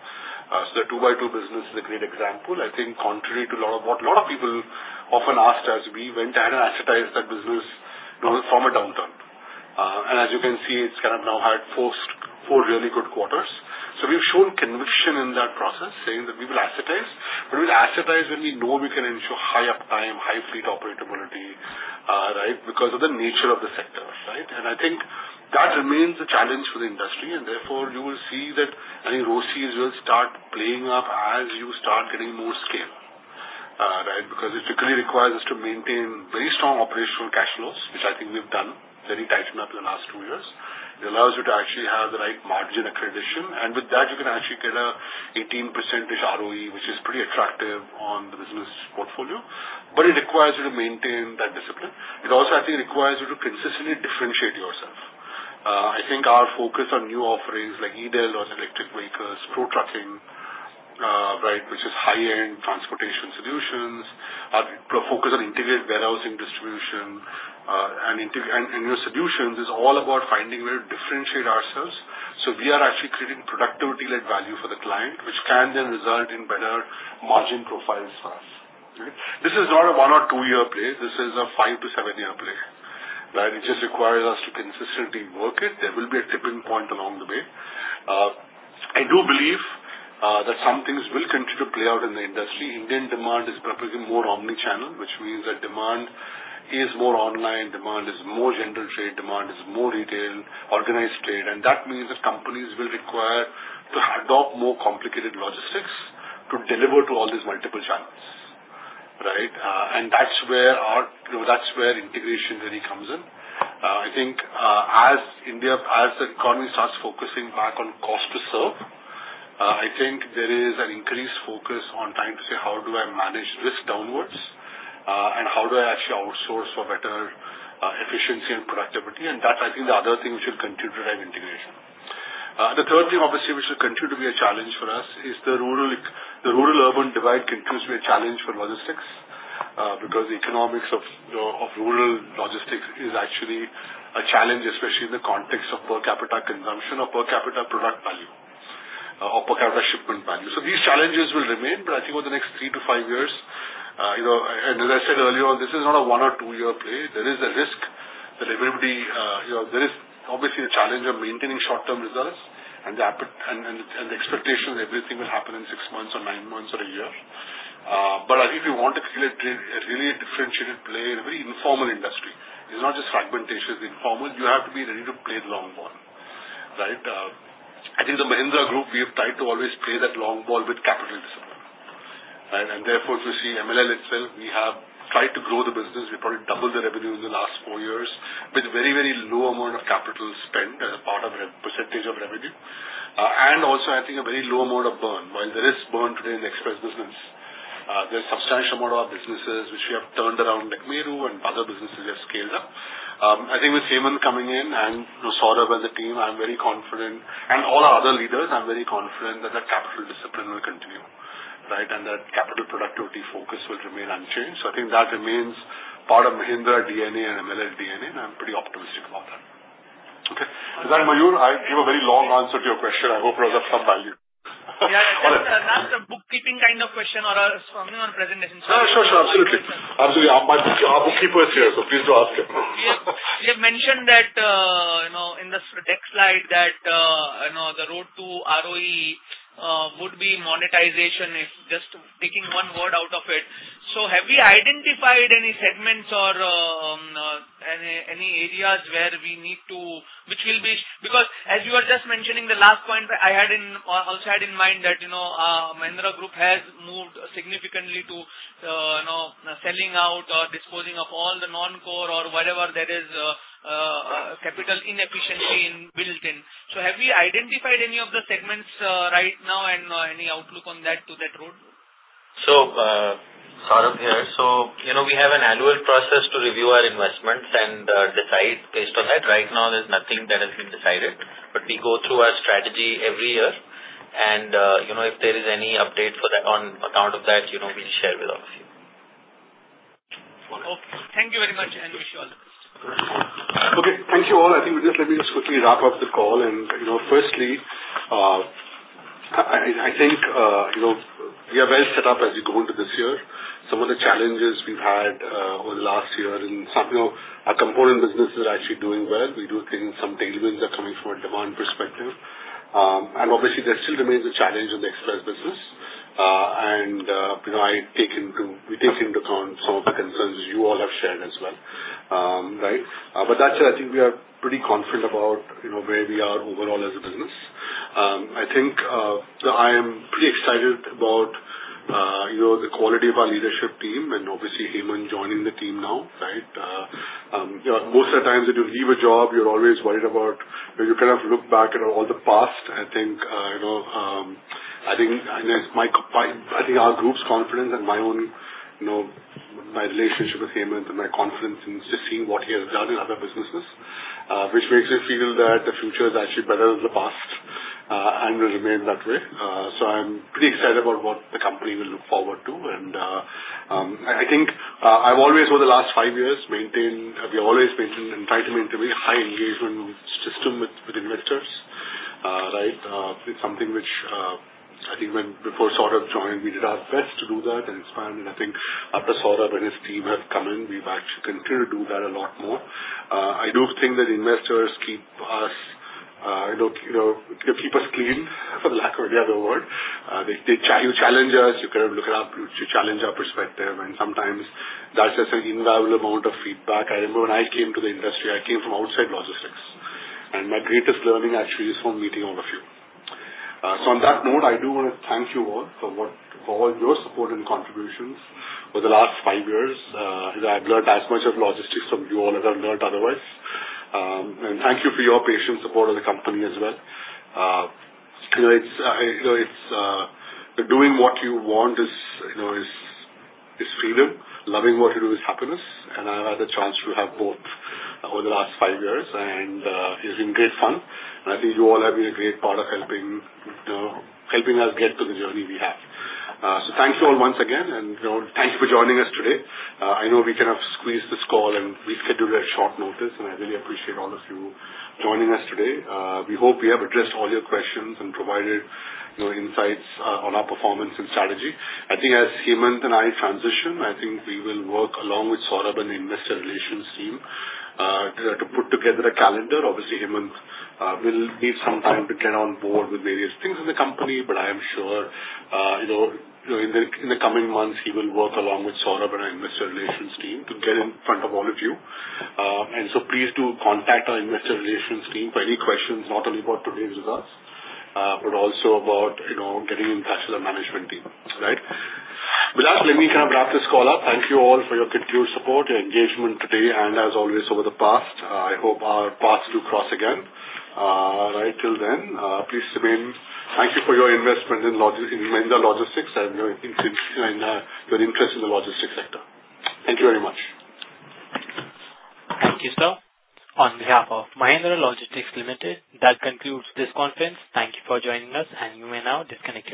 The 2x2 business is a great example. I think contrary to what a lot of people often asked us, we went ahead and assetized that business from a downturn. As you can see, it's kind of now had four really good quarters. We have shown conviction in that process, saying that we will assetize. We will assetize when we know we can ensure high uptime, high fleet operability, right, because of the nature of the sector, right? I think that remains a challenge for the industry. Therefore, you will see that, I think, rosters will start playing up as you start getting more scale, right, because it really requires us to maintain very strong operational cash flows, which I think we have done very tightened up in the last two years. It allows you to actually have the right margin accreditation. With that, you can actually get an 18%-ish ROE, which is pretty attractive on the business portfolio. It requires you to maintain that discipline. It also, I think, requires you to consistently differentiate yourself. I think our focus on new offerings like EDEL or electric vehicles, ProTrucking, right, which is high-end transportation solutions, our focus on integrated warehousing distribution and new solutions is all about finding where to differentiate ourselves. We are actually creating productivity-led value for the client, which can then result in better margin profiles for us, right? This is not a one or two-year play. This is a five to seven-year play, right? It just requires us to consistently work it. There will be a tipping point along the way. I do believe that some things will continue to play out in the industry. Indian demand is probably more omnichannel, which means that demand is more online. Demand is more general trade. Demand is more retail, organized trade. That means that companies will require to adopt more complicated logistics to deliver to all these multiple channels, right? That is where integration really comes in. I think as the economy starts focusing back on cost to serve, I think there is an increased focus on trying to say, "how do I manage risk downwards? And how do I actually outsource for better efficiency and productivity?" That is, I think, the other thing which will continue to drive integration. The third thing, obviously, which will continue to be a challenge for us is the rural-urban divide continues to be a challenge for logistics because the economics of rural logistics is actually a challenge, especially in the context of per capita consumption or per capita product value or per capita shipment value. These challenges will remain. I think over the next three to five years, and as I said earlier, this is not a one or two-year play. There is a risk that everybody there is obviously a challenge of maintaining short-term results and the expectation that everything will happen in six months or nine months or a year. I think we want to create a really differentiated play in a very informal industry. It's not just fragmentation. It's informal. You have to be ready to play the long ball, right? I think the Mahindra group, we have tried to always play that long ball with capital discipline, right? If you see MLL itself, we have tried to grow the business. We probably doubled the revenue in the last four years with very, very low amount of capital spent as a part of a percentage of revenue. Also, I think a very low amount of burn. While there is burn today in the express business, there's a substantial amount of our businesses which we have turned around like Mayur and other businesses we have scaled up. I think with Hemant coming in and Saurabh and the team, I'm very confident, and all our other leaders, I'm very confident that the capital discipline will continue, right, and that capital productivity focus will remain unchanged. I think that remains part of Mahindra DNA and MLL DNA. I'm pretty optimistic about that, okay? Is that, Mayur, I gave a very long answer to your question. I hope it was of some value. Yeah. That's a bookkeeping kind of question or a presentation. Sure. Sure. Sure. Absolutely. Absolutely. Our bookkeeper is here, so please do ask him. You have mentioned that in the next slide that the road to ROE would be monetization, if just taking one word out of it. Have we identified any segments or any areas where we need to which will be because, as you were just mentioning, the last point I also had in mind that Mahindra Group has moved significantly to selling out or disposing of all the non-core or whatever that is capital inefficiency built in. Have we identified any of the segments right now and any outlook on that to that road? Saurabh here. We have an annual process to review our investments and decide based on that. Right now, there's nothing that has been decided. We go through our strategy every year. If there is any update on account of that, we'll share with all of you. Okay. Thank you very much, and wish you all the best. Okay. Thank you all. I think let me just quickly wrap up the call. Firstly, I think we are well set up as we go into this year. Some of the challenges we've had over the last year and some of our component businesses are actually doing well. We do think some tailwinds are coming from a demand perspective. Obviously, there still remains a challenge in the express business. I take into account some of the concerns you all have shared as well, right? That said, I think we are pretty confident about where we are overall as a business. I think I am pretty excited about the quality of our leadership team and obviously Hemant joining the team now, right? Most of the time, when you leave a job, you're always worried about when you kind of look back at all the past. I think, and it's my, I think our group's confidence and my relationship with Hemant and my confidence in just seeing what he has done in other businesses, which makes me feel that the future is actually better than the past and will remain that way. I'm pretty excited about what the company will look forward to. I think I've always, over the last five years, maintained we have always maintained and tried to maintain a very high engagement system with investors, right? It's something which I think when before Saurabh joined, we did our best to do that and expand. I think after Saurabh and his team have come in, we've actually continued to do that a lot more. I do think that investors keep us clean, for the lack of a better word. They challenge us. You kind of look at our, you challenge our perspective. Sometimes, that's just an invaluable amount of feedback. I remember when I came to the industry, I came from outside logistics. My greatest learning actually is from meeting all of you. On that note, I do want to thank you all for all your support and contributions over the last five years. I've learned as much of logistics from you all as I've learned otherwise. Thank you for your patience and support of the company as well. It's doing what you want is freedom. Loving what you do is happiness. I've had the chance to have both over the last five years. It's been great fun. I think you all have been a great part of helping us get to the journey we have. Thank you all once again. Thank you for joining us today. I know we kind of squeezed this call and rescheduled it at short notice. I really appreciate all of you joining us today. We hope we have addressed all your questions and provided insights on our performance and strategy. I think as Hemant and I transition, I think we will work along with Saurabh and the investor relations team to put together a calendar. Obviously, Hemant will need some time to get on board with various things in the company. I am sure in the coming months, he will work along with Saurabh and our investor relations team to get in front of all of you. Please do contact our investor relations team for any questions, not only about today's results but also about getting in touch with our management team, right? With that, let me kind of wrap this call up. Thank you all for your continued support, your engagement today. As always, over the past, I hope our paths do cross again. Right till then, please remain. Thank you for your investment in Mahindra Logistics and your interest in the logistics sector. Thank you very much. Thank you, sir. On behalf of Mahindra Logistics Limited, that concludes this conference. Thank you for joining us. You may now disconnect.